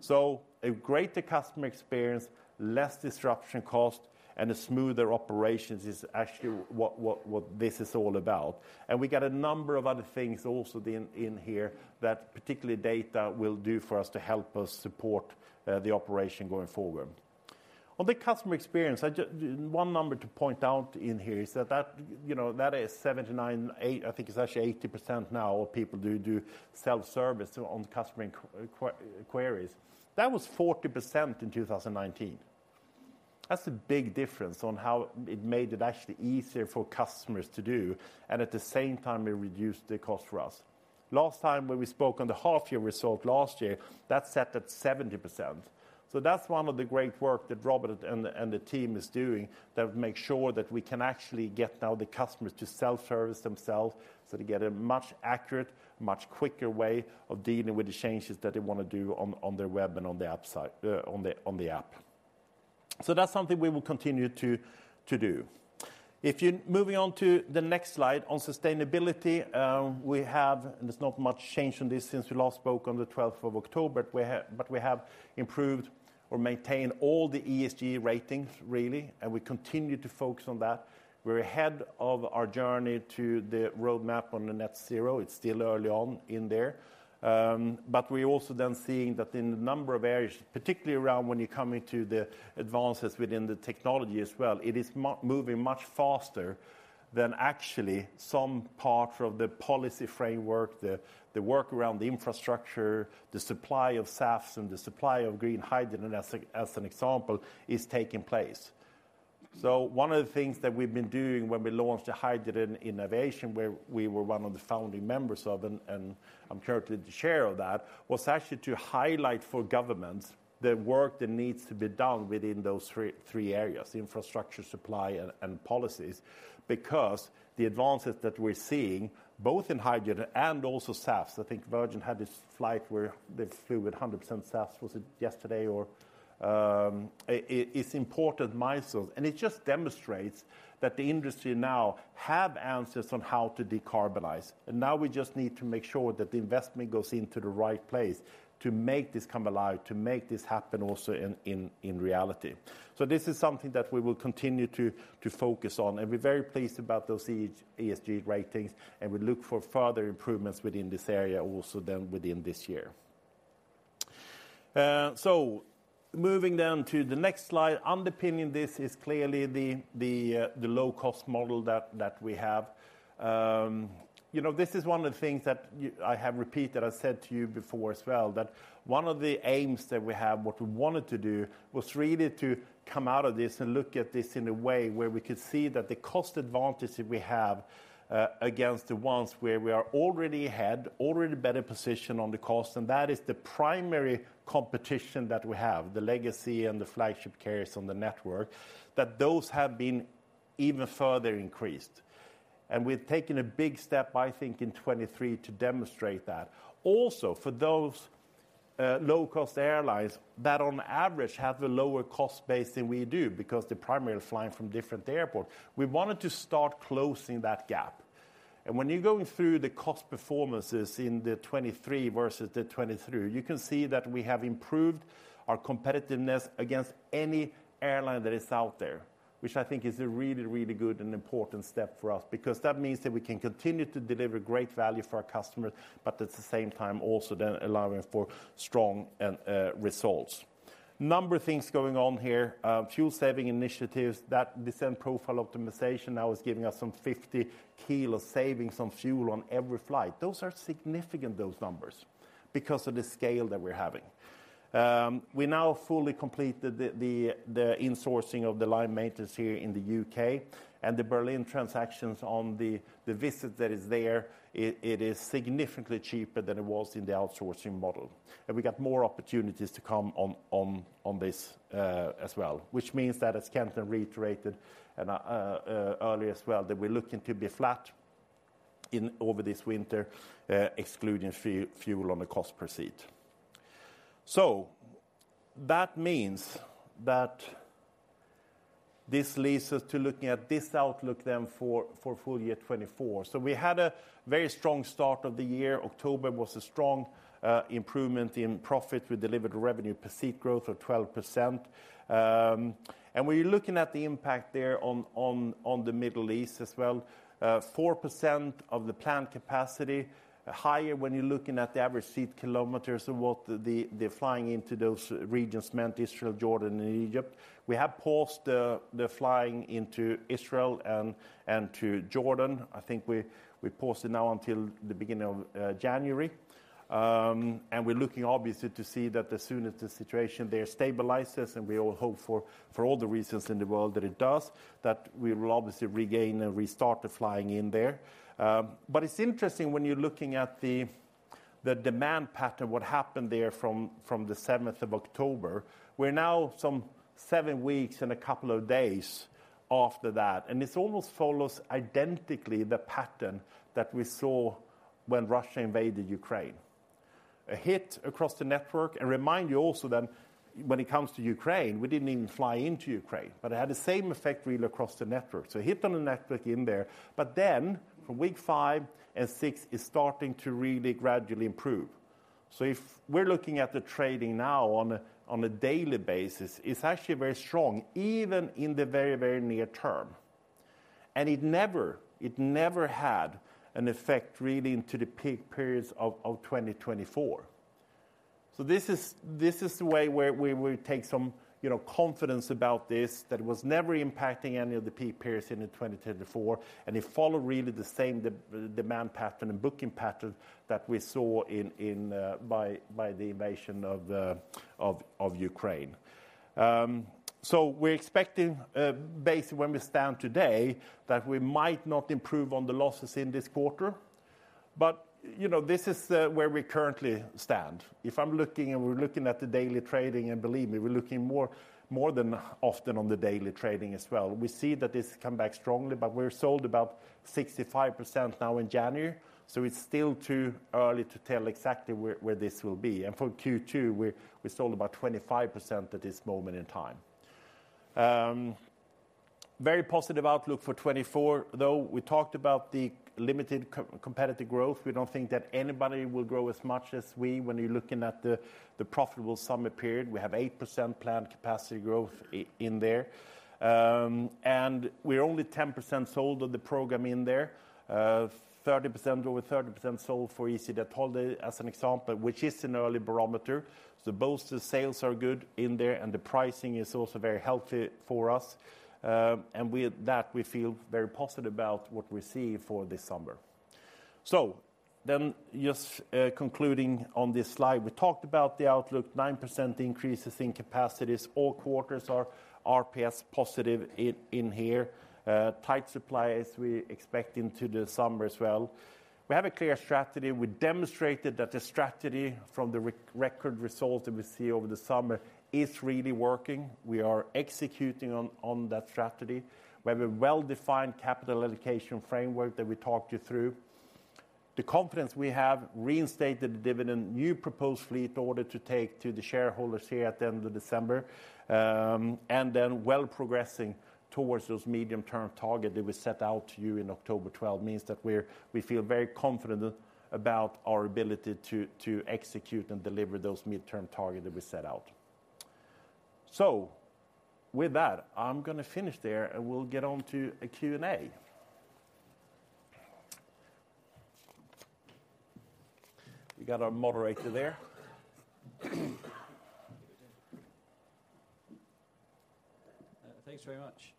Speaker 1: So a greater customer experience, less disruption cost, and a smoother operations is actually what this is all about. And we got a number of other things also in here that particularly data will do for us to help us support the operation going forward. On the customer experience, one number to point out in here is that you know that is 79.8%, I think it's actually 80% now, of people do self-service on customer inquiries. That was 40% in 2019. That's a big difference on how it made it actually easier for customers to do, and at the same time, it reduced the cost for us. Last time, when we spoke on the half-year result last year, that sat at 70%. So that's one of the great work that Robert and the team is doing, that make sure that we can actually get now the customers to self-service themselves, so to get a much accurate, much quicker way of dealing with the changes that they want to do on their web and on the app side, on the app. So that's something we will continue to do. Moving on to the next slide, on sustainability, we have, and there's not much change in this since we last spoke on the twelfth of October, we have but we have improved or maintained all the ESG ratings, really, and we continue to focus on that. We're ahead of our journey to the roadmap on the net zero. It's still early on in there. But we're also then seeing that in a number of areas, particularly around when you come into the advances within the technology as well, it is moving much faster than actually some parts of the policy framework, the work around the infrastructure, the supply of SAFs and the supply of green hydrogen, as an example, is taking place. So one of the things that we've been doing when we launched the hydrogen innovation, where we were one of the founding members of, and I'm currently the chair of that, was actually to highlight for governments the work that needs to be done within those three areas: infrastructure, supply, and policies. Because the advances that we're seeing, both in hydrogen and also SAFs, I think Virgin had this flight where they flew with 100% SAFs, was it yesterday, or... It's important milestones, and it just demonstrates that the industry now have answers on how to decarbonize. And now we just need to make sure that the investment goes into the right place to make this come alive, to make this happen also in, in, in reality. So this is something that we will continue to, to focus on, and we're very pleased about those ESG ratings, and we look for further improvements within this area also then within this year. So moving down to the next slide. Underpinning this is clearly the low-cost model that we have. You know, this is one of the things that I have repeated, I said to you before as well, that one of the aims that we have, what we wanted to do, was really to come out of this and look at this in a way where we could see that the cost advantage that we have against the ones where we are already ahead, already better positioned on the cost, and that is the primary competition that we have, the legacy and the flagship carriers on the network, that those have been even further increased. And we've taken a big step, I think, in 2023 to demonstrate that. Also, for those low-cost airlines that on average have a lower cost base than we do, because they're primarily flying from different airports, we wanted to start closing that gap. When you're going through the cost performances in the 2023 versus the 2023, you can see that we have improved our competitiveness against any airline that is out there, which I think is a really, really good and important step for us, because that means that we can continue to deliver great value for our customers, but at the same time, also then allowing for strong results. Number of things going on here. Fuel-saving initiatives, that descent profile optimization now is giving us some 50 kg savings on fuel on every flight. Those are significant, those numbers, because of the scale that we're having. We now fully completed the insourcing of the line maintenance here in the U.K., and the Berlin transactions on the visit that is there, it is significantly cheaper than it was in the outsourcing model. And we got more opportunities to come on this as well, which means that, as Kenton reiterated and earlier as well, that we're looking to be flat over this winter, excluding fuel on the cost per seat. So that means that this leads us to looking at this outlook then for full year 2024. So we had a very strong start of the year. October was a strong improvement in profit. We delivered revenue per seat growth of 12%. And we're looking at the impact there on the Middle East as well. 4% of the planned capacity, higher when you're looking at the average seat kilometers and what the flying into those regions meant, Israel, Jordan, and Egypt. We have paused the flying into Israel and to Jordan. I think we paused it now until the beginning of January. And we're looking obviously to see that as soon as the situation there stabilizes, and we all hope for all the reasons in the world that it does, that we will obviously regain and restart the flying in there. But it's interesting when you're looking at the demand pattern, what happened there from the 7th of October. We're now some seven weeks and a couple of days after that, and this almost follows identically the pattern that we saw when Russia invaded Ukraine. A hit across the network, and remind you also that when it comes to Ukraine, we didn't even fly into Ukraine, but it had the same effect really across the network. So a hit on the network in there, but then from week five and six, it's starting to really gradually improve. So if we're looking at the trading now on a daily basis, it's actually very strong, even in the very, very near term. And it never, it never had an effect really into the peak periods of 2024. So this is, this is the way where we, we take some, you know, confidence about this, that it was never impacting any of the peak periods in the 2024, and it followed really the same demand pattern and booking pattern that we saw in the invasion of Ukraine. So we're expecting, based where we stand today, that we might not improve on the losses in this quarter, but, you know, this is where we currently stand. If I'm looking and we're looking at the daily trading, and believe me, we're looking more, more than often on the daily trading as well, we see that it's come back strongly, but we're sold about 65% now in January, so it's still too early to tell exactly where, where this will be. And for Q2, we're, we're sold about 25% at this moment in time. Very positive outlook for 2024, though. We talked about the limited competitive growth. We don't think that anybody will grow as much as we when you're looking at the, the profitable summer period. We have 8% planned capacity growth in there. And we're only 10% sold on the program in there. 30%, over 30% sold for easyJet holidays, as an example, which is an early barometer. So both the sales are good in there, and the pricing is also very healthy for us. And with that, we feel very positive about what we see for this summer. So then just concluding on this slide, we talked about the outlook, 9% increases in capacities. All quarters are RPS positive in here. Tight supply as we expect into the summer as well. We have a clear strategy. We demonstrated that the strategy from the record result that we see over the summer is really working. We are executing on that strategy. We have a well-defined capital allocation framework that we talked you through. The confidence we have reinstated the dividend, new proposed fleet order to take to the shareholders here at the end of December, and then well progressing towards those medium-term target that we set out to you in October 12th, means that we feel very confident about our ability to, to execute and deliver those midterm target that we set out. So with that, I'm gonna finish there, and we'll get on to a Q&A. We got our moderator there.
Speaker 3: Thanks very much.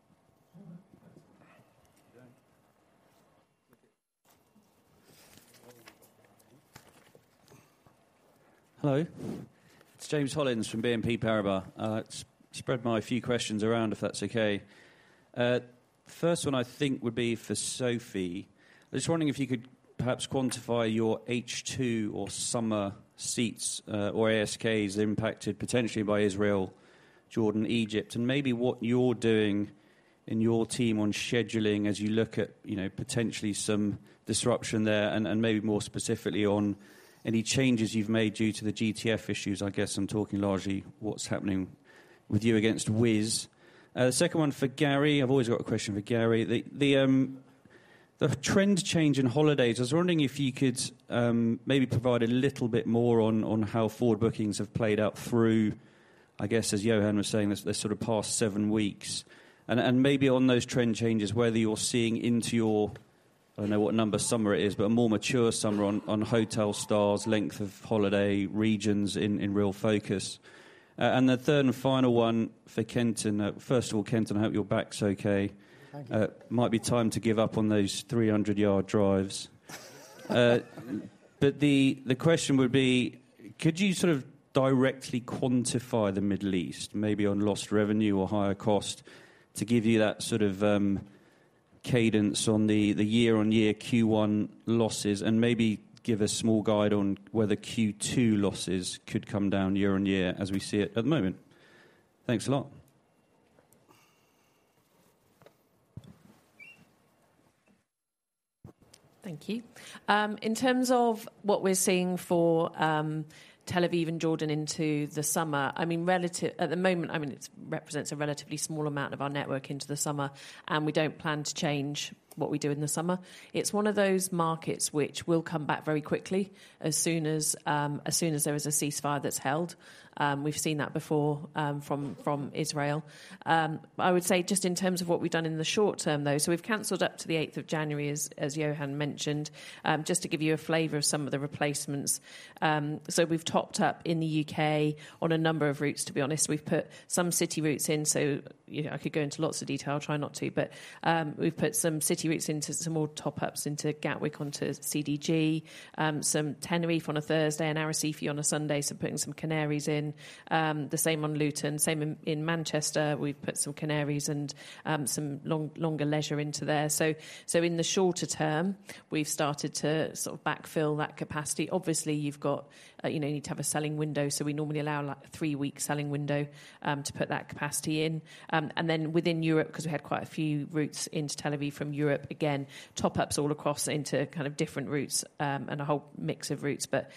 Speaker 3: Hello, it's James Hollins from BNP Paribas. Spread my few questions around, if that's okay. First one, I think, would be for Sophie. I was wondering if you could perhaps quantify your H2 or summer seats, or ASKs impacted potentially by Israel, Jordan, Egypt, and maybe what you're doing in your team on scheduling as you look at, you know, potentially some disruption there, and maybe more specifically on any changes you've made due to the GTF issues. I guess I'm talking largely what's happening with you against Wizz. The second one for Garry. I've always got a question for Garry. The trend change in holidays, I was wondering if you could maybe provide a little bit more on how forward bookings have played out through, I guess, as Johan was saying, this sort of past seven weeks. And maybe on those trend changes, whether you're seeing into your- I don't know what number summer it is, but a more mature summer on hotel stars, length of holiday, regions in real focus. And the third and final one for Kenton. First of all, Kenton, I hope your back's okay.
Speaker 2: Thank you.
Speaker 3: Might be time to give up on those 300-yard drives. But the question would be: Could you sort of directly quantify the Middle East, maybe on lost revenue or higher cost, to give you that sort of cadence on the year-on-year Q1 losses, and maybe give a small guide on whether Q2 losses could come down year on year as we see it at the moment? Thanks a lot.
Speaker 4: Thank you. In terms of what we're seeing for Tel Aviv and Jordan into the summer, I mean, relatively at the moment, I mean, it represents a relatively small amount of our network into the summer, and we don't plan to change what we do in the summer. It's one of those markets which will come back very quickly as soon as, as soon as there is a ceasefire that's held. We've seen that before, from Israel. I would say just in terms of what we've done in the short term, though, so we've canceled up to the eighth of January, as Johan mentioned. Just to give you a flavor of some of the replacements, so we've topped up in the U.K. on a number of routes, to be honest. We've put some city routes in, so, you know, I could go into lots of detail. I'll try not to, but, we've put some city routes into some more top-ups into Gatwick, onto CDG, some Tenerife on a Thursday and Arrecife on a Sunday, so putting some Canaries in. The same on Luton, same in Manchester. We've put some Canaries and, some longer leisure into there. So, so in the shorter term, we've started to sort of backfill that capacity. Obviously, you've got, you know, you need to have a selling window, so we normally allow, like, a three-week selling window, to put that capacity in. And then within Europe, 'cause we had quite a few routes into Tel Aviv from Europe, again, top-ups all across into kind of different routes, and a whole mix of routes. But,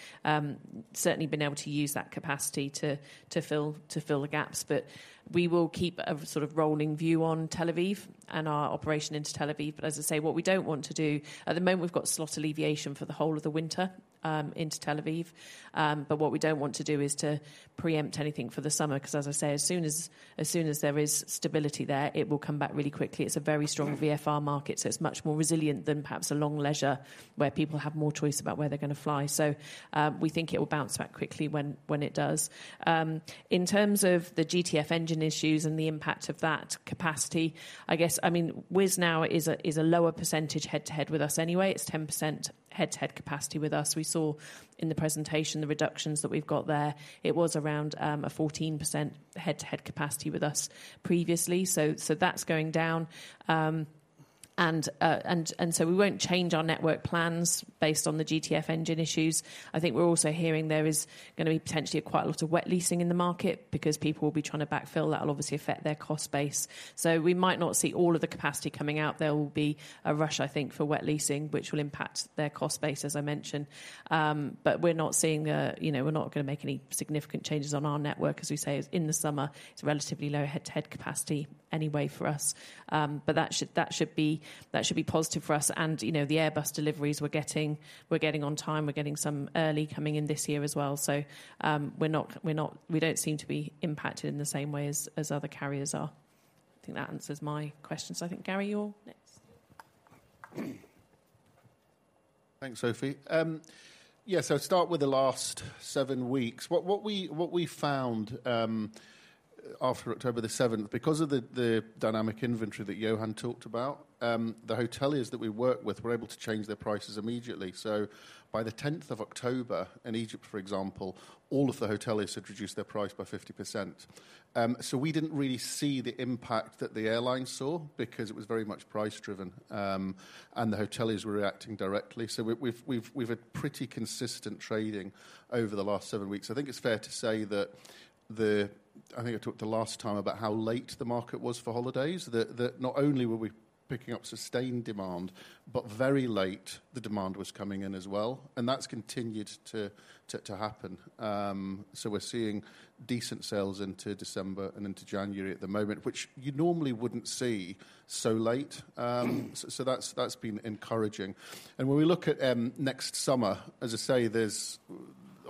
Speaker 4: certainly been able to use that capacity to fill the gaps. But we will keep a sort of rolling view on Tel Aviv and our operation into Tel Aviv. But as I say, what we don't want to do. At the moment, we've got slot alleviation for the whole of the winter into Tel Aviv. But what we don't want to do is to preempt anything for the summer, 'cause as I say, as soon as there is stability there, it will come back really quickly. It's a very strong VFR market, so it's much more resilient than perhaps a long leisure, where people have more choice about where they're gonna fly. So, we think it will bounce back quickly when it does. In terms of the GTF engine issues and the impact of that capacity, I guess, I mean, Wizz now is a lower percentage head-to-head with us anyway. It's 10% head-to-head capacity with us. We saw in the presentation the reductions that we've got there. It was around a 14% head-to-head capacity with us previously. So that's going down. And so we won't change our network plans based on the GTF engine issues. I think we're also hearing there is gonna be potentially quite a lot of wet leasing in the market because people will be trying to backfill. That will obviously affect their cost base. So we might not see all of the capacity coming out. There will be a rush, I think, for wet leasing, which will impact their cost base, as I mentioned. But we're not seeing a, you know, we're not gonna make any significant changes on our network, as we say, in the summer. It's a relatively low head-to-head capacity anyway for us. But that should be positive for us. And, you know, the Airbus deliveries we're getting, we're getting on time. We're getting some early coming in this year as well. So, we're not – we don't seem to be impacted in the same way as other carriers are. I think that answers my questions. I think, Garry, you're next.
Speaker 5: Thanks, Sophie. Yeah, so start with the last seven weeks. What we found after October the seventh, because of the dynamic inventory that Johan talked about, the hoteliers that we work with were able to change their prices immediately. So by the 10th of October, in Egypt, for example, all of the hoteliers had reduced their price by 50%. So we didn't really see the impact that the airlines saw because it was very much price driven, and the hoteliers were reacting directly. So we've had pretty consistent trading over the last seven weeks. I think it's fair to say that the—I think I talked the last time about how late the market was for holidays. That not only were we picking up sustained demand, but very late the demand was coming in as well, and that's continued to happen. So we're seeing decent sales into December and into January at the moment, which you normally wouldn't see so late. So that's been encouraging. And when we look at next summer, as I say, there's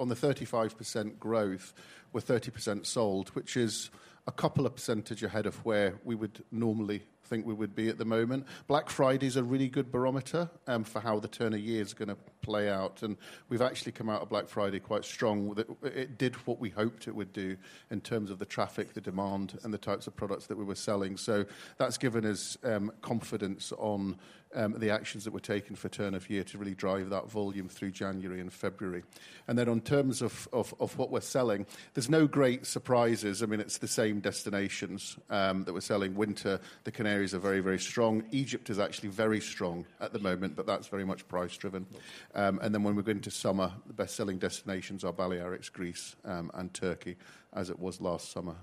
Speaker 5: on the 35% growth, we're 30% sold, which is a couple of percentage ahead of where we would normally think we would be at the moment. Black Friday is a really good barometer for how the turn of year is gonna play out, and we've actually come out of Black Friday quite strong. It did what we hoped it would do in terms of the traffic, the demand, and the types of products that we were selling. So that's given us confidence on the actions that we're taking for turn of year to really drive that volume through January and February. And then in terms of what we're selling, there's no great surprises. I mean, it's the same destinations that we're selling winter. The Canaries are very, very strong. Egypt is actually very strong at the moment, but that's very much price driven. And then when we go into summer, the best-selling destinations are Balearics, Greece, and Turkey, as it was last summer.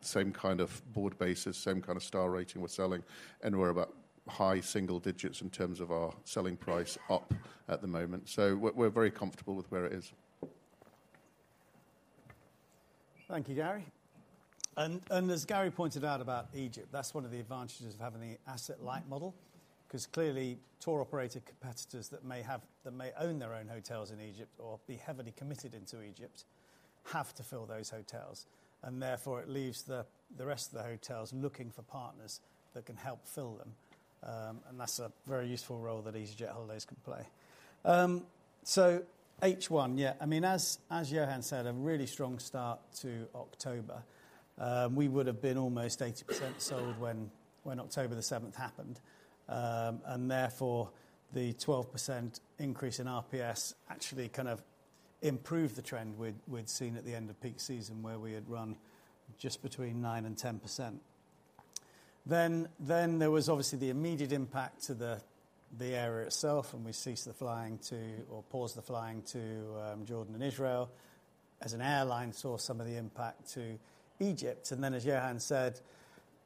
Speaker 5: Same kind of board basis, same kind of star rating we're selling, and we're about high single digits in terms of our selling price up at the moment. So we're very comfortable with where it is.
Speaker 2: Thank you, Garry. And as Garry pointed out about Egypt, that's one of the advantages of having the asset-light model, 'cause clearly, tour operator competitors that may own their own hotels in Egypt or be heavily committed into Egypt-...
Speaker 3: have to fill those hotels, and therefore it leaves the rest of the hotels looking for partners that can help fill them. And that's a very useful role that easyJet holidays can play. So H1, yeah, I mean, as Johan said, a really strong start to October. We would have been almost 80% sold when October 7th happened. And therefore, the 12% increase in RPS actually kind of improved the trend we'd seen at the end of peak season, where we had run just between 9% and 10%. Then there was obviously the immediate impact to the area itself, and we ceased the flying to, or paused the flying to, Jordan and Israel.
Speaker 2: As an airline, saw some of the impact to Egypt, and then, as Johan said,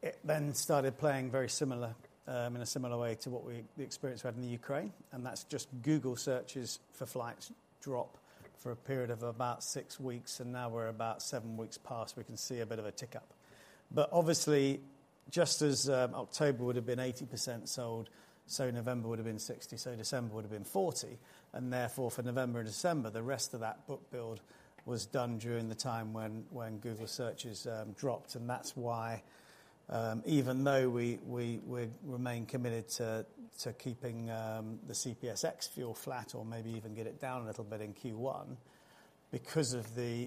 Speaker 2: it then started playing very similar in a similar way to what the experience we had in the Ukraine, and that's just Google searches for flights drop for a period of about six weeks, and now we're about seven weeks past, we can see a bit of a tick-up. But obviously, just as October would have been 80% sold, so November would have been 60, so December would have been 40, and therefore, for November and December, the rest of that book build was done during the time when Google searches dropped. And that's why, even though we remain committed to keeping the CPS ex-fuel flat or maybe even get it down a little bit in Q1, because the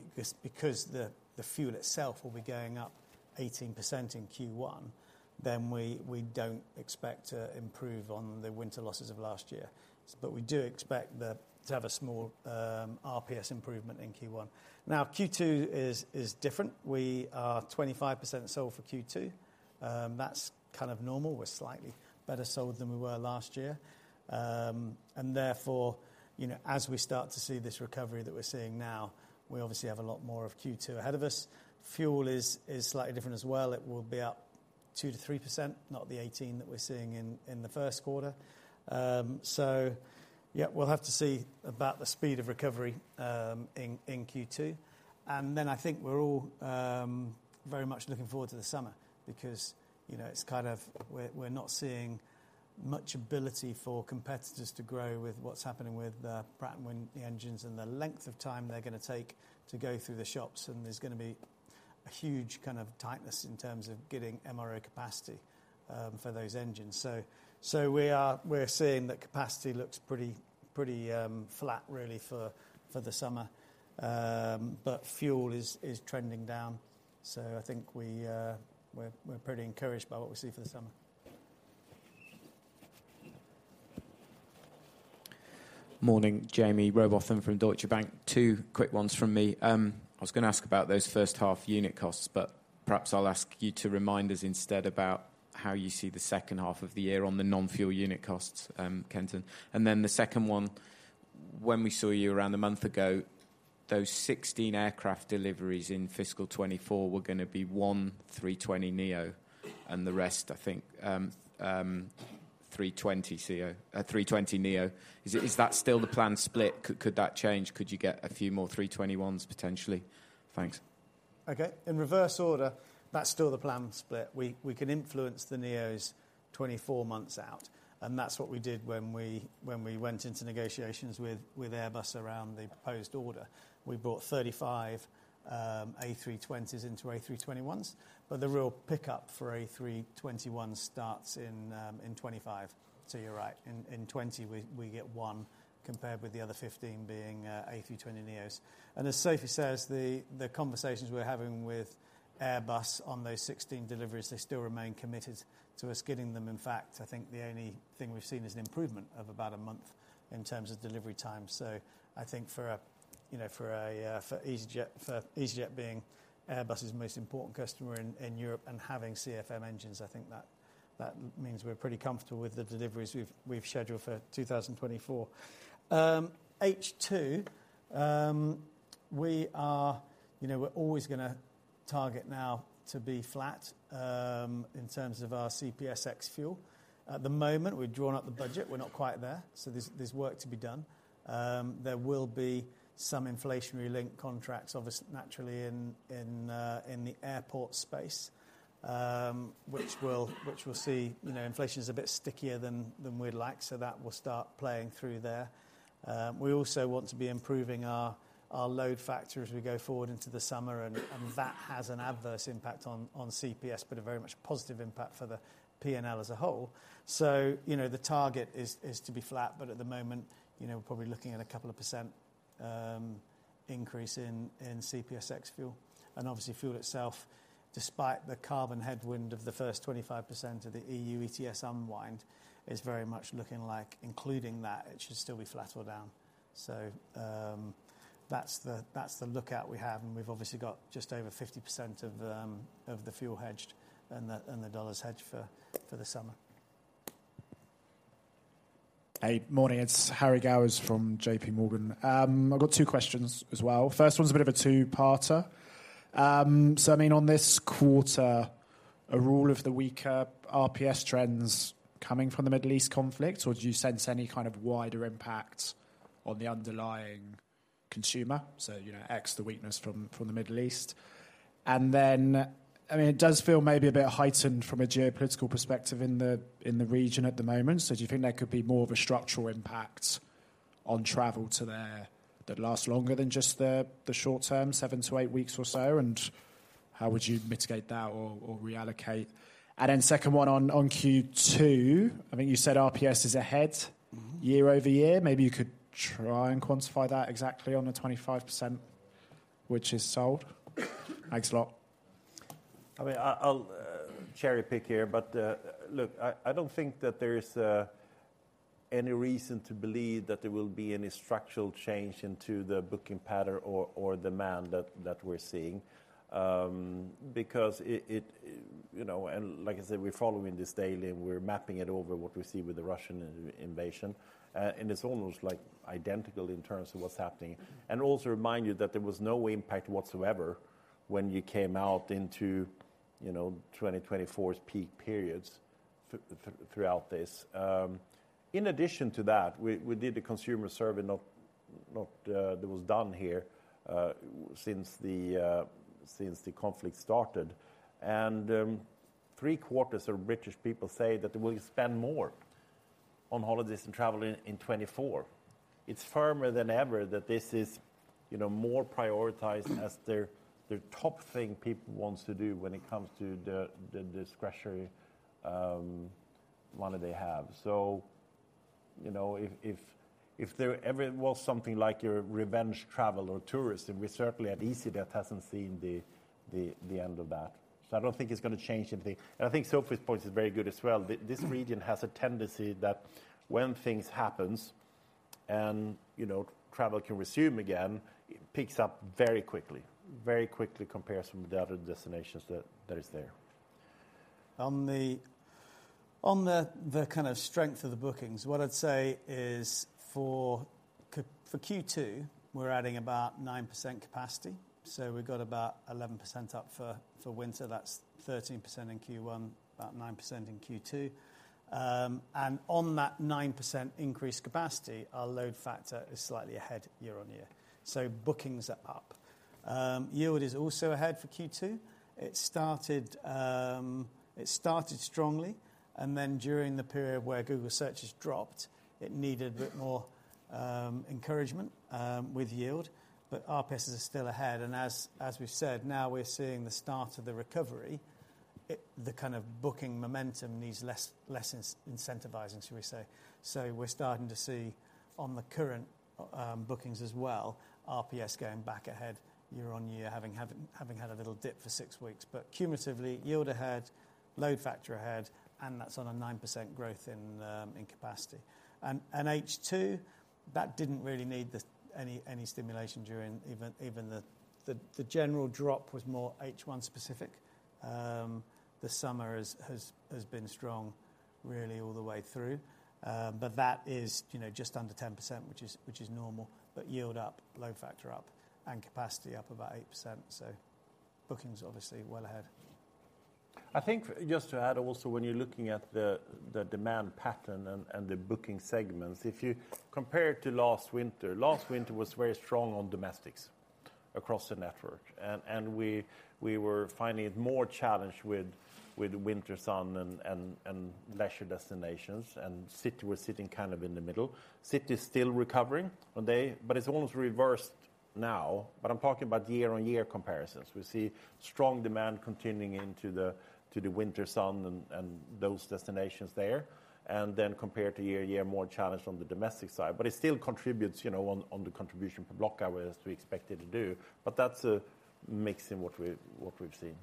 Speaker 2: fuel itself will be going up 18% in Q1, then we don't expect to improve on the winter losses of last year. But we do expect to have a small RPS improvement in Q1. Now, Q2 is different. We are 25% sold for Q2. That's kind of normal. We're slightly better sold than we were last year. And therefore, you know, as we start to see this recovery that we're seeing now, we obviously have a lot more of Q2 ahead of us. Fuel is slightly different as well. It will be up 2%-3%, not the 18% that we're seeing in the first quarter. So yeah, we'll have to see about the speed of recovery in Q2. And then I think we're all very much looking forward to the summer because, you know, it's kind of... we're not seeing much ability for competitors to grow with what's happening with the Pratt & Whitney engines and the length of time they're going to take to go through the shops, and there's going to be a huge kind of tightness in terms of getting MRO capacity for those engines. So we're seeing that capacity looks pretty flat really for the summer. But fuel is trending down, so I think we're pretty encouraged by what we see for the summer.
Speaker 6: Morning, Jamie Rowbotham from Deutsche Bank. Two quick ones from me. I was going to ask about those first half unit costs, but perhaps I'll ask you to remind us instead about how you see the second half of the year on the non-fuel unit costs, Kenton. And then the second one, when we saw you around a month ago, those 16 aircraft deliveries in fiscal 2024 were going to be one A320neo, and the rest, I think, 320ceo, A320neo. Is that still the planned split? Could that change? Could you get a few more A321s, potentially? Thanks.
Speaker 2: Okay. In reverse order, that's still the planned split. We can influence the neos 24 months out, and that's what we did when we went into negotiations with Airbus around the proposed order. We brought 35 A320s into A321s, but the real pickup for A321 starts in 2025. So you're right. In 2020, we get one compared with the other 15 being A320neos. And as Sophie says, the conversations we're having with Airbus on those 16 deliveries, they still remain committed to us getting them. In fact, I think the only thing we've seen is an improvement of about a month in terms of delivery time. So I think, you know, for easyJet being Airbus's most important customer in Europe and having CFM engines, I think that means we're pretty comfortable with the deliveries we've scheduled for 2024. H2, we are, you know, we're always going to target now to be flat in terms of our CPS ex-fuel. At the moment, we've drawn up the budget. We're not quite there, so there's work to be done. There will be some inflationary link contracts, obviously, naturally in the airport space, which will see, you know, inflation's a bit stickier than we'd like, so that will start playing through there. We also want to be improving our load factor as we go forward into the summer, and that has an adverse impact on CPS, but a very much positive impact for the P&L as a whole. So, you know, the target is to be flat, but at the moment, you know, we're probably looking at a couple of percent increase in CPS ex-fuel. And obviously, fuel itself, despite the carbon headwind of the first 25% of the EU ETS unwind, is very much looking like including that, it should still be flat or down. So, that's the outlook we have, and we've obviously got just over 50% of the fuel hedged and the dollars hedged for the summer.
Speaker 7: Hey, morning. It's Harry Gowers from JPMorgan. I've got two questions as well. First one is a bit of a two-parter. So I mean, on this quarter, are all of the weaker RPS trends coming from the Middle East conflict, or do you sense any kind of wider impact on the underlying consumer? So, you know, X, the weakness from the Middle East. And then, I mean, it does feel maybe a bit heightened from a geopolitical perspective in the region at the moment. So do you think there could be more of a structural impact on travel to there that lasts longer than just the short term, seven to eight weeks or so? And how would you mitigate that or reallocate? And then second one on Q2, I think you said RPS is ahead-
Speaker 1: Mm-hmm.
Speaker 7: year-over-year. Maybe you could try and quantify that exactly on the 25% which is sold. Thanks a lot.
Speaker 1: I mean, I'll cherry-pick here, but look, I don't think that there's any reason to believe that there will be any structural change into the booking pattern or demand that we're seeing. Because it, you know, and like I said, we're following this daily, and we're mapping it over what we see with the Russian invasion. And it's almost like identical in terms of what's happening. And also remind you that there was no impact whatsoever when you came out into, you know, 2024's peak periods throughout this. In addition to that, we did a consumer survey that was done here since the conflict started. And three-quarters of British people say that they will spend more on holidays and travel in 2024. It's firmer than ever that this is, you know, more prioritized as their, their top thing people wants to do when it comes to the, the discretionary money they have. So, you know, if there ever was something like your revenge travel or tourism, we certainly at easyJet hasn't seen the, the end of that. So I don't think it's going to change anything. And I think Sophie's point is very good as well. This region has a tendency that when things happens and, you know, travel can resume again, it picks up very quickly, very quickly compares from the other destinations that, that is there.
Speaker 2: On the kind of strength of the bookings, what I'd say is for Q2, we're adding about 9% capacity, so we've got about 11% up for winter. That's 13% in Q1, about 9% in Q2. And on that 9% increased capacity, our load factor is slightly ahead year-on-year. So bookings are up. Yield is also ahead for Q2. It started strongly, and then during the period where Google searches dropped, it needed a bit more encouragement with yield, but RPS is still ahead. And as we've said, now we're seeing the start of the recovery. It, the kind of booking momentum, needs less incentivizing, should we say. So we're starting to see on the current, bookings as well, RPS going back ahead year-on-year, having had a little dip for six weeks. But cumulatively, yield ahead, load factor ahead, and that's on a 9% growth in capacity. And H2, that didn't really need the, any stimulation during even the... The general drop was more H1 specific. The summer has been strong really all the way through. But that is, you know, just under 10%, which is normal, but yield up, load factor up, and capacity up about 8%. So bookings, obviously well ahead.
Speaker 1: I think just to add also, when you're looking at the demand pattern and the booking segments, if you compare it to last winter, last winter was very strong on domestics across the network. And we were finding it more challenged with winter sun and leisure destinations, and city was sitting kind of in the middle. City is still recovering, but it's almost reversed now. But I'm talking about year-over-year comparisons. We see strong demand continuing into the winter sun and those destinations there, and then compared to year-over-year, more challenged on the domestic side. But it still contributes, you know, on the contribution per block hour, as we expect it to do. But that's a mix in what we've seen.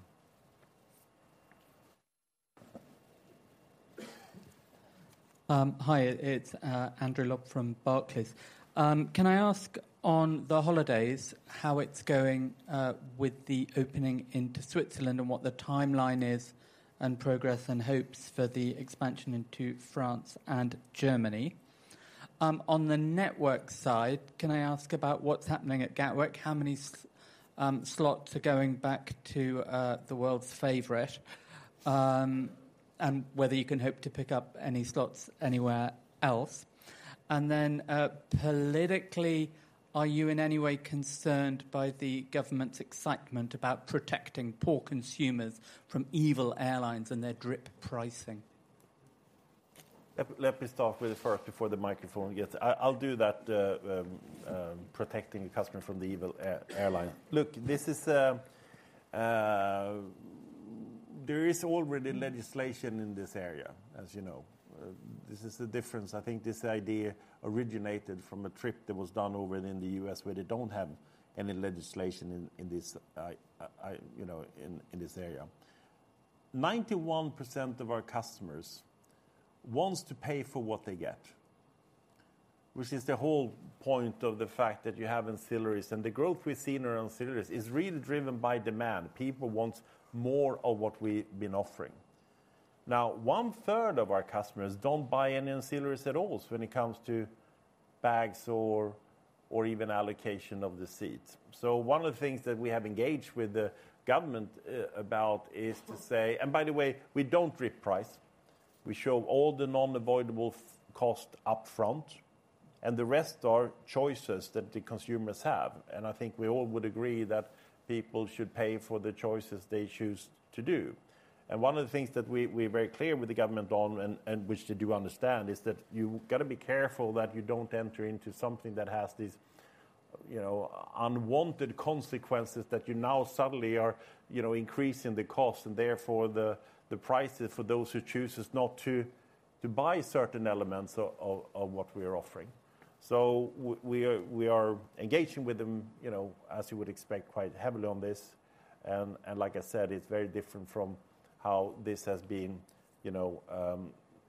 Speaker 8: Hi, it's Andrew Lock from Barclays. Can I ask on the holidays, how it's going with the opening into Switzerland and what the timeline is, and progress, and hopes for the expansion into France and Germany? On the network side, can I ask about what's happening at Gatwick? How many slots are going back to the world's favorite? And whether you can hope to pick up any slots anywhere else. And then, politically, are you in any way concerned by the government's excitement about protecting poor consumers from evil airlines and their drip pricing?
Speaker 1: Let me start with the first before the microphone gets... I'll do that, protecting the customer from the evil airline. Look, this is, there is already legislation in this area, as you know. This is the difference. I think this idea originated from a trip that was done over in the U.S., where they don't have any legislation in this, you know, in this area. 91% of our customers wants to pay for what they get, which is the whole point of the fact that you have ancillaries. The growth we've seen around ancillaries is really driven by demand. People want more of what we've been offering. Now, one-third of our customers don't buy any ancillaries at all when it comes to bags or even allocation of the seats. So one of the things that we have engaged with the government about is to say. And by the way, we don't drip price. We show all the unavoidable cost upfront, and the rest are choices that the consumers have. And I think we all would agree that people should pay for the choices they choose to do. And one of the things that we, we're very clear with the government on and which they do understand, is that you've got to be careful that you don't enter into something that has these, you know, unwanted consequences that you now suddenly are, you know, increasing the cost, and therefore, the prices for those who chooses not to buy certain elements of what we are offering. So we are engaging with them, you know, as you would expect, quite heavily on this. And like I said, it's very different from how this has been, you know,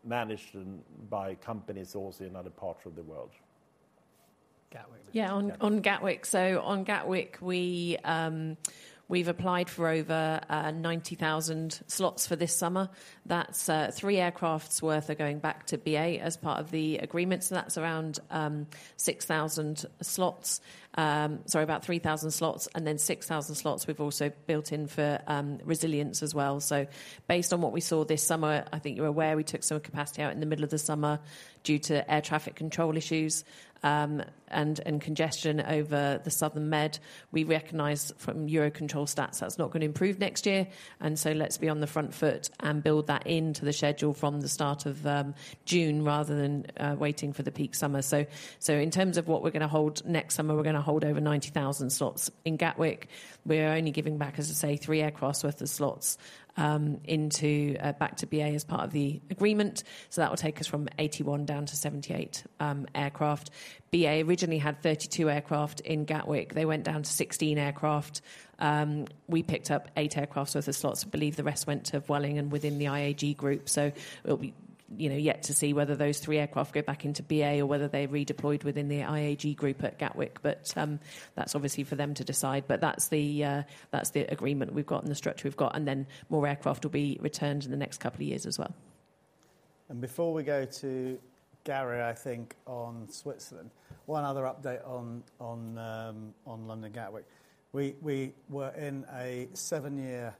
Speaker 1: managed and by companies also in other parts of the world.
Speaker 2: Gatwick.
Speaker 4: Yeah, on Gatwick. So on Gatwick, we've applied for over 90,000 slots for this summer. That's three aircrafts worth are going back to BA as part of the agreement, so that's around 6,000 slots. Sorry, about 3,000 slots, and then 6,000 slots we've also built in for resilience as well. So based on what we saw this summer, I think you're aware we took some capacity out in the middle of the summer due to air traffic control issues, and congestion over the Southern Med. We recognized from EUROCONTROL stats, that's not going to improve next year, and so let's be on the front foot and build that into the schedule from the start of June, rather than waiting for the peak summer. So, so in terms of what we're going to hold next summer, we're going to hold over 90,000 slots. In Gatwick, we're only giving back, as I say, three aircrafts worth of slots into back to BA as part of the agreement. So that will take us from 81 down to 78 aircraft. BA originally had 32 aircraft in Gatwick. They went down to 16 aircraft. We picked up eight aircrafts with the slots. I believe the rest went to Vueling and within the IAG group. So it'll be, you know, yet to see whether those three aircraft go back into BA or whether they redeployed within the IAG group at Gatwick. But that's obviously for them to decide. But that's the, that's the agreement we've got and the structure we've got, and then more aircraft will be returned in the next couple of years as well.
Speaker 2: And before we go to Garry, I think on Switzerland, one other update on London Gatwick. We were in a seven-year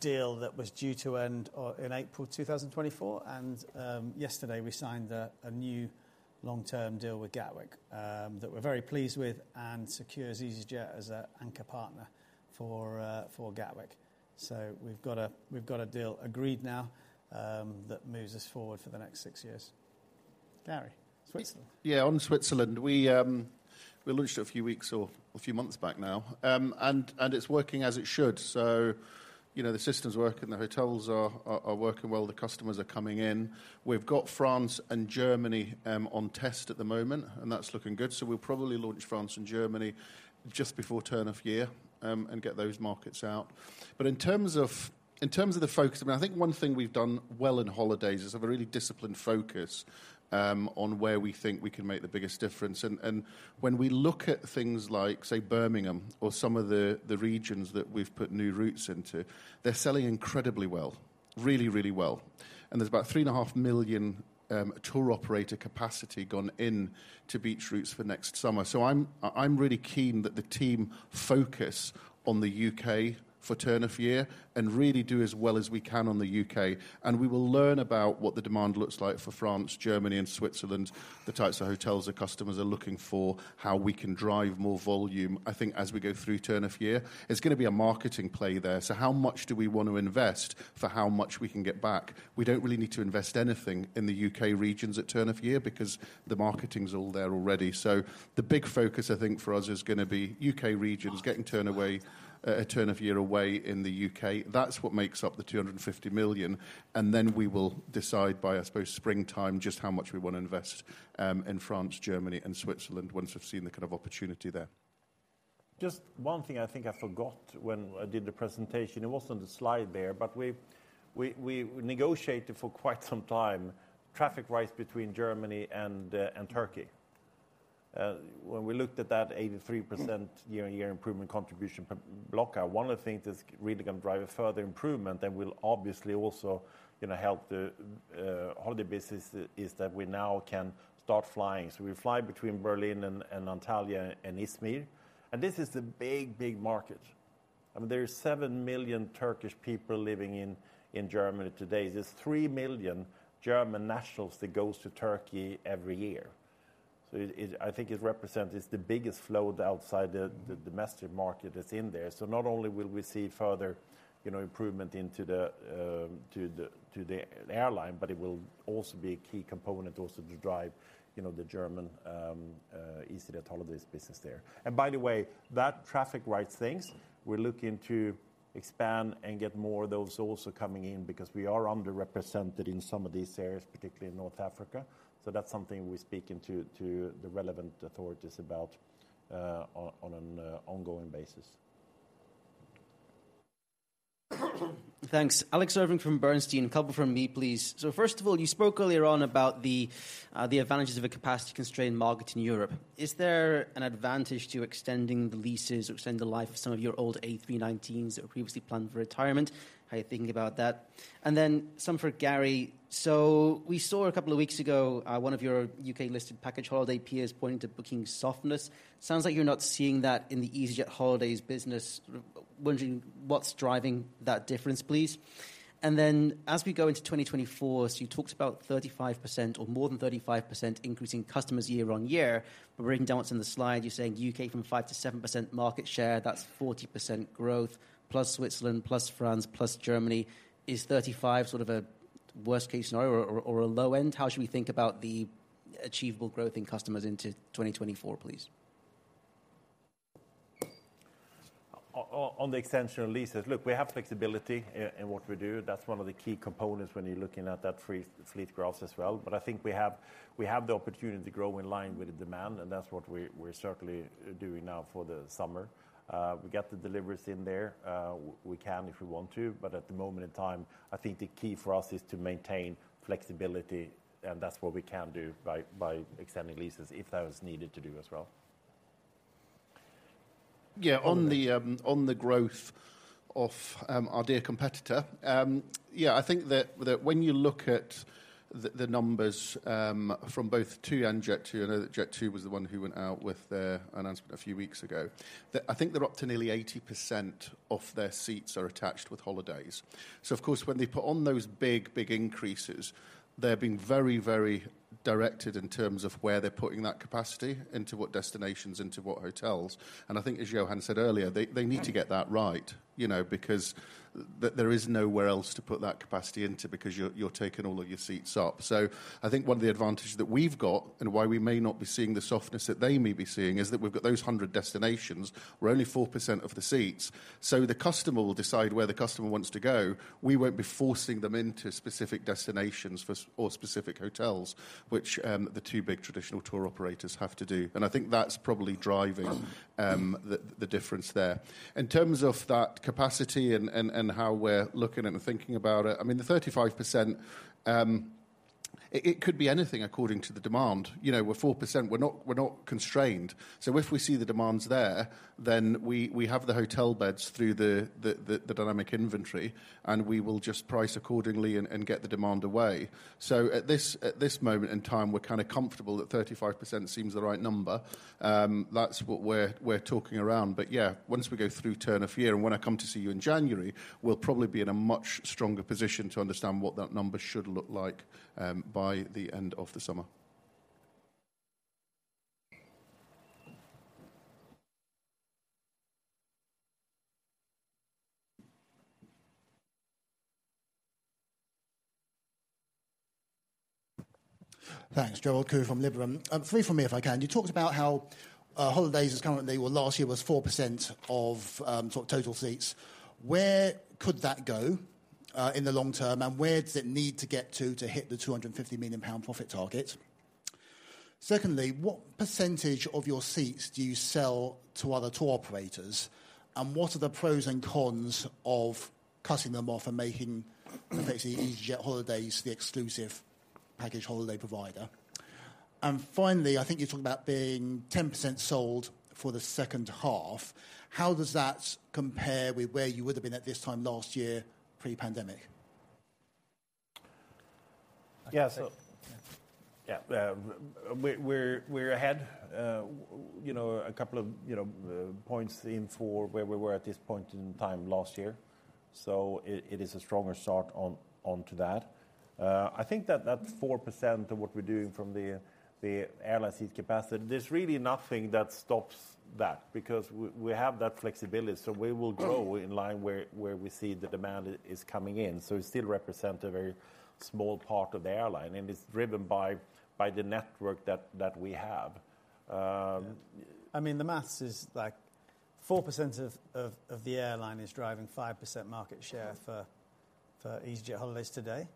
Speaker 2: deal that was due to end in April 2024, and yesterday, we signed a new long-term deal with Gatwick that we're very pleased with and secures easyJet as an anchor partner for Gatwick. So we've got a deal agreed now that moves us forward for the next six years. Garry, Switzerland?
Speaker 5: Yeah, on Switzerland, we launched a few weeks or a few months back now, and it's working as it should. So, you know, the system's working, the hotels are working well, the customers are coming in. We've got France and Germany on test at the moment, and that's looking good. So we'll probably launch France and Germany just before turn of year, and get those markets out. But in terms of the focus, I mean, I think one thing we've done well in holidays is have a really disciplined focus on where we think we can make the biggest difference. And when we look at things like, say, Birmingham or some of the regions that we've put new routes into, they're selling incredibly well. Really, really well. There's about 3.5 million tour operator capacity gone into beach routes for next summer. So I'm really keen that the team focus on the U.K. for turn of year and really do as well as we can on the U.K., and we will learn about what the demand looks like for France, Germany and Switzerland, the types of hotels the customers are looking for, how we can drive more volume. I think as we go through turn of year, it's going to be a marketing play there. So how much do we want to invest for how much we can get back? We don't really need to invest anything in the U.K. regions at turn of year because the marketing's all there already. So the big focus, I think, for us, is gonna be U.K. regions, getting turn away, turn of year away in the U.K. That's what makes up the 250 million, and then we will decide by, I suppose, springtime, just how much we want to invest in France, Germany and Switzerland, once we've seen the kind of opportunity there.
Speaker 1: Just one thing I think I forgot when I did the presentation. It was on the slide there, but we negotiated for quite some time traffic rights between Germany and Turkey. When we looked at that 83% year-on-year improvement contribution block out, one of the things that's really going to drive a further improvement and will obviously also, you know, help the holiday business is that we now can start flying. So we fly between Berlin and Antalya and Izmir, and this is a big, big market. I mean, there is seven million Turkish people living in Germany today. There's three million German nationals that goes to Turkey every year. So it I think it represents, it's the biggest flow outside the domestic market that's in there. So not only will we see further, you know, improvement into the airline, but it will also be a key component also to drive, you know, the German easyJet holidays business there. And by the way, that traffic rights things, we're looking to expand and get more of those also coming in because we are underrepresented in some of these areas, particularly in North Africa. So that's something we're speaking to the relevant authorities about, on an ongoing basis.
Speaker 9: Thanks. Alex Irving from Bernstein. A couple from me, please. So first of all, you spoke earlier on about the advantages of a capacity-constrained market in Europe. Is there an advantage to extending the leases or extending the life of some of your old A319s that were previously planned for retirement? How are you thinking about that? And then some for Garry. So we saw a couple of weeks ago, one of your U.K.-listed package holiday peers pointing to booking softness. Sounds like you're not seeing that in the easyJet holidays business. Wondering what's driving that difference, please. And then, as we go into 2024, so you talked about 35% or more than 35% increase in customers year-on-year, but reading down what's in the slide, you're saying U.K. from 5%-7% market share, that's 40% growth, plus Switzerland, plus France, plus Germany. Is 35 sort of a-... worst case scenario or a low end? How should we think about the achievable growth in customers into 2024, please?
Speaker 1: On the extension of leases, look, we have flexibility in what we do. That's one of the key components when you're looking at that fleet growth as well. But I think we have the opportunity to grow in line with the demand, and that's what we're certainly doing now for the summer. We get the deliveries in there, we can if we want to, but at the moment in time, I think the key for us is to maintain flexibility, and that's what we can do by extending leases, if that is needed to do as well.
Speaker 5: Yeah, on the growth of our dear competitor. Yeah, I think that when you look at the numbers from both TUI and Jet2, I know that Jet2 was the one who went out with their announcement a few weeks ago. That I think they're up to nearly 80% of their seats are attached with holidays. So of course, when they put on those big, big increases, they're being very, very directed in terms of where they're putting that capacity, into what destinations, into what hotels. And I think, as Johan Lundgren said earlier, they need to get that right, you know, because there is nowhere else to put that capacity into because you're taking all of your seats up. So I think one of the advantages that we've got and why we may not be seeing the softness that they may be seeing, is that we've got those 100 destinations, where only 4% of the seats. So the customer will decide where the customer wants to go. We won't be forcing them into specific destinations or specific hotels, which the two big traditional tour operators have to do. And I think that's probably driving the difference there. In terms of that capacity and how we're looking and thinking about it, I mean, the 35%, it could be anything according to the demand. You know, we're 4%. We're not constrained. So if we see the demands there, then we have the hotel beds through the dynamic inventory, and we will just price accordingly and get the demand away. So at this moment in time, we're kind of comfortable that 35% seems the right number. That's what we're talking around. But yeah, once we go through turn of year, and when I come to see you in January, we'll probably be in a much stronger position to understand what that number should look like, by the end of the summer.
Speaker 10: Thanks. Gerald Khoo from Liberum. Three from me, if I can. You talked about how holidays is currently, well, last year was 4% of sort of total seats. Where could that go in the long term, and where does it need to get to, to hit the 250 million pound profit target? Secondly, what percentage of your seats do you sell to other tour operators, and what are the pros and cons of cutting them off and making, basically, easyJet holidays the exclusive package holiday provider? And finally, I think you talked about being 10% sold for the second half. How does that compare with where you would have been at this time last year, pre-pandemic?
Speaker 1: Yeah. So, yeah, we're ahead, you know, a couple of, you know, points in for where we were at this point in time last year. So it is a stronger start on to that. I think that 4% of what we're doing from the airline seat capacity, there's really nothing that stops that, because we have that flexibility, so we will grow in line where we see the demand is coming in. So it still represent a very small part of the airline, and it's driven by the network that we have.
Speaker 2: I mean, the math is like 4% of the airline is driving 5% market share for easyJet holidays today.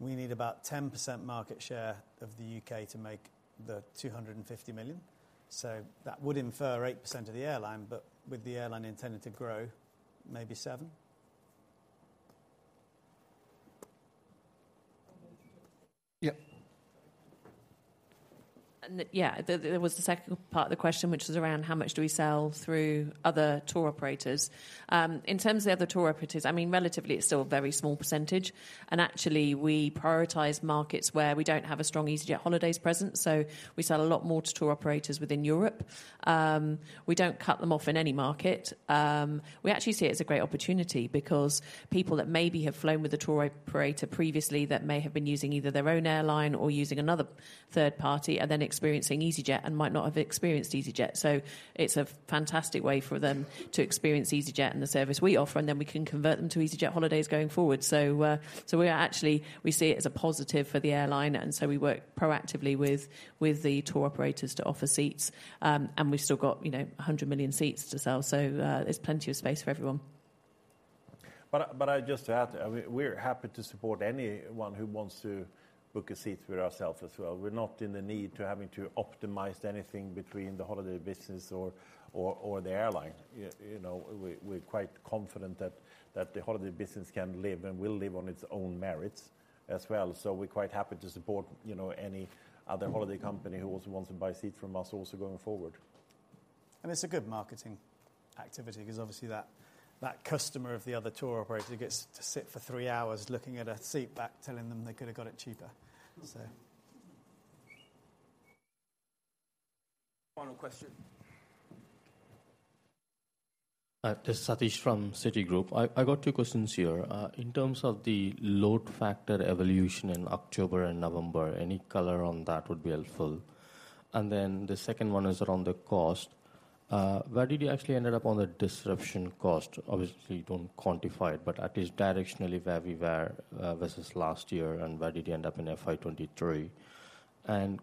Speaker 2: We need about 10% market share of the U.K. to make 250 million. So that would infer 8% of the airline, but with the airline intended to grow, maybe 7%.
Speaker 5: Yeah.
Speaker 4: And yeah, there was the second part of the question, which was around how much do we sell through other tour operators? In terms of the other tour operators, I mean, relatively, it's still a very small percentage, and actually, we prioritize markets where we don't have a strong easyJet holidays presence, so we sell a lot more to tour operators within Europe. We don't cut them off in any market. We actually see it as a great opportunity because people that maybe have flown with a tour operator previously, that may have been using either their own airline or using another third party, are then experiencing easyJet and might not have experienced easyJet. So it's a fantastic way for them to experience easyJet and the service we offer, and then we can convert them to easyJet holidays going forward. So, we are actually—we see it as a positive for the airline, and so we work proactively with the tour operators to offer seats. And we've still got, you know, 100 million seats to sell, so there's plenty of space for everyone.
Speaker 1: But I just to add, I mean, we're happy to support anyone who wants to book a seat with ourselves as well. We're not in the need to having to optimize anything between the holiday business or the airline. You know, we're quite confident that the holiday business can live and will live on its own merits as well. So we're quite happy to support, you know, any other holiday company who also wants to buy seats from us also going forward.
Speaker 2: It's a good marketing activity, because obviously that customer of the other tour operator gets to sit for three hours looking at a seat back, telling them they could have got it cheaper, so.
Speaker 8: Final question.
Speaker 11: This is Sathish from Citigroup. I got two questions here. In terms of the load factor evolution in October and November, any color on that would be helpful. And then the second one is around the cost... Where did you actually ended up on the disruption cost? Obviously, you don't quantify it, but at least directionally, where we were versus last year, and where did you end up in FY 2023? And,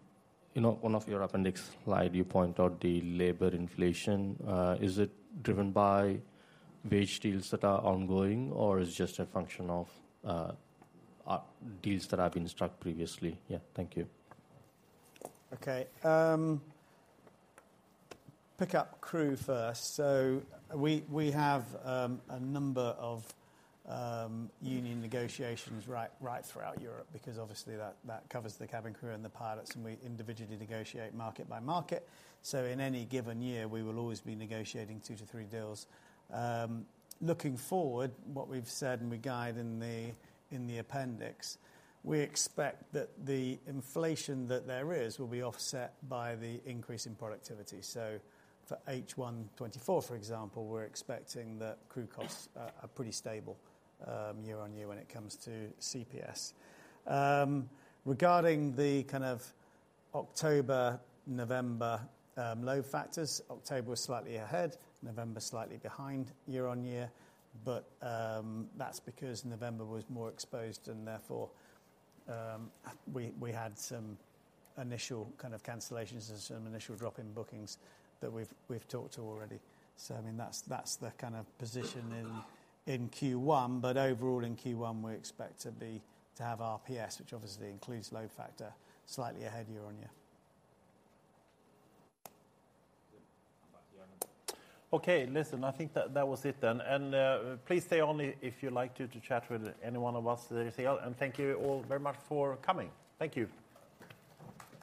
Speaker 11: you know, one of your appendix slide, you point out the labor inflation. Is it driven by wage deals that are ongoing or is it just a function of deals that have been struck previously? Yeah, thank you.
Speaker 2: Okay, pick up crew first. So we have a number of union negotiations right throughout Europe, because obviously that covers the cabin crew and the pilots, and we individually negotiate market by market. So in any given year, we will always be negotiating two to three deals. Looking forward, what we've said, and we guide in the appendix, we expect that the inflation that there is will be offset by the increase in productivity. So for H1 2024, for example, we're expecting that crew costs are pretty stable year-on-year when it comes to CPS. Regarding the kind of October, November load factors, October was slightly ahead, November slightly behind year-on-year. But that's because November was more exposed, and therefore we had some initial kind of cancellations and some initial drop in bookings that we've talked to already. So I mean, that's the kind of position in Q1, but overall, in Q1, we expect to be to have RPS, which obviously includes load factor, slightly ahead year-on-year.
Speaker 1: Okay, listen, I think that was it then. Please stay only if you'd like to chat with any one of us this year. Thank you all very much for coming. Thank you.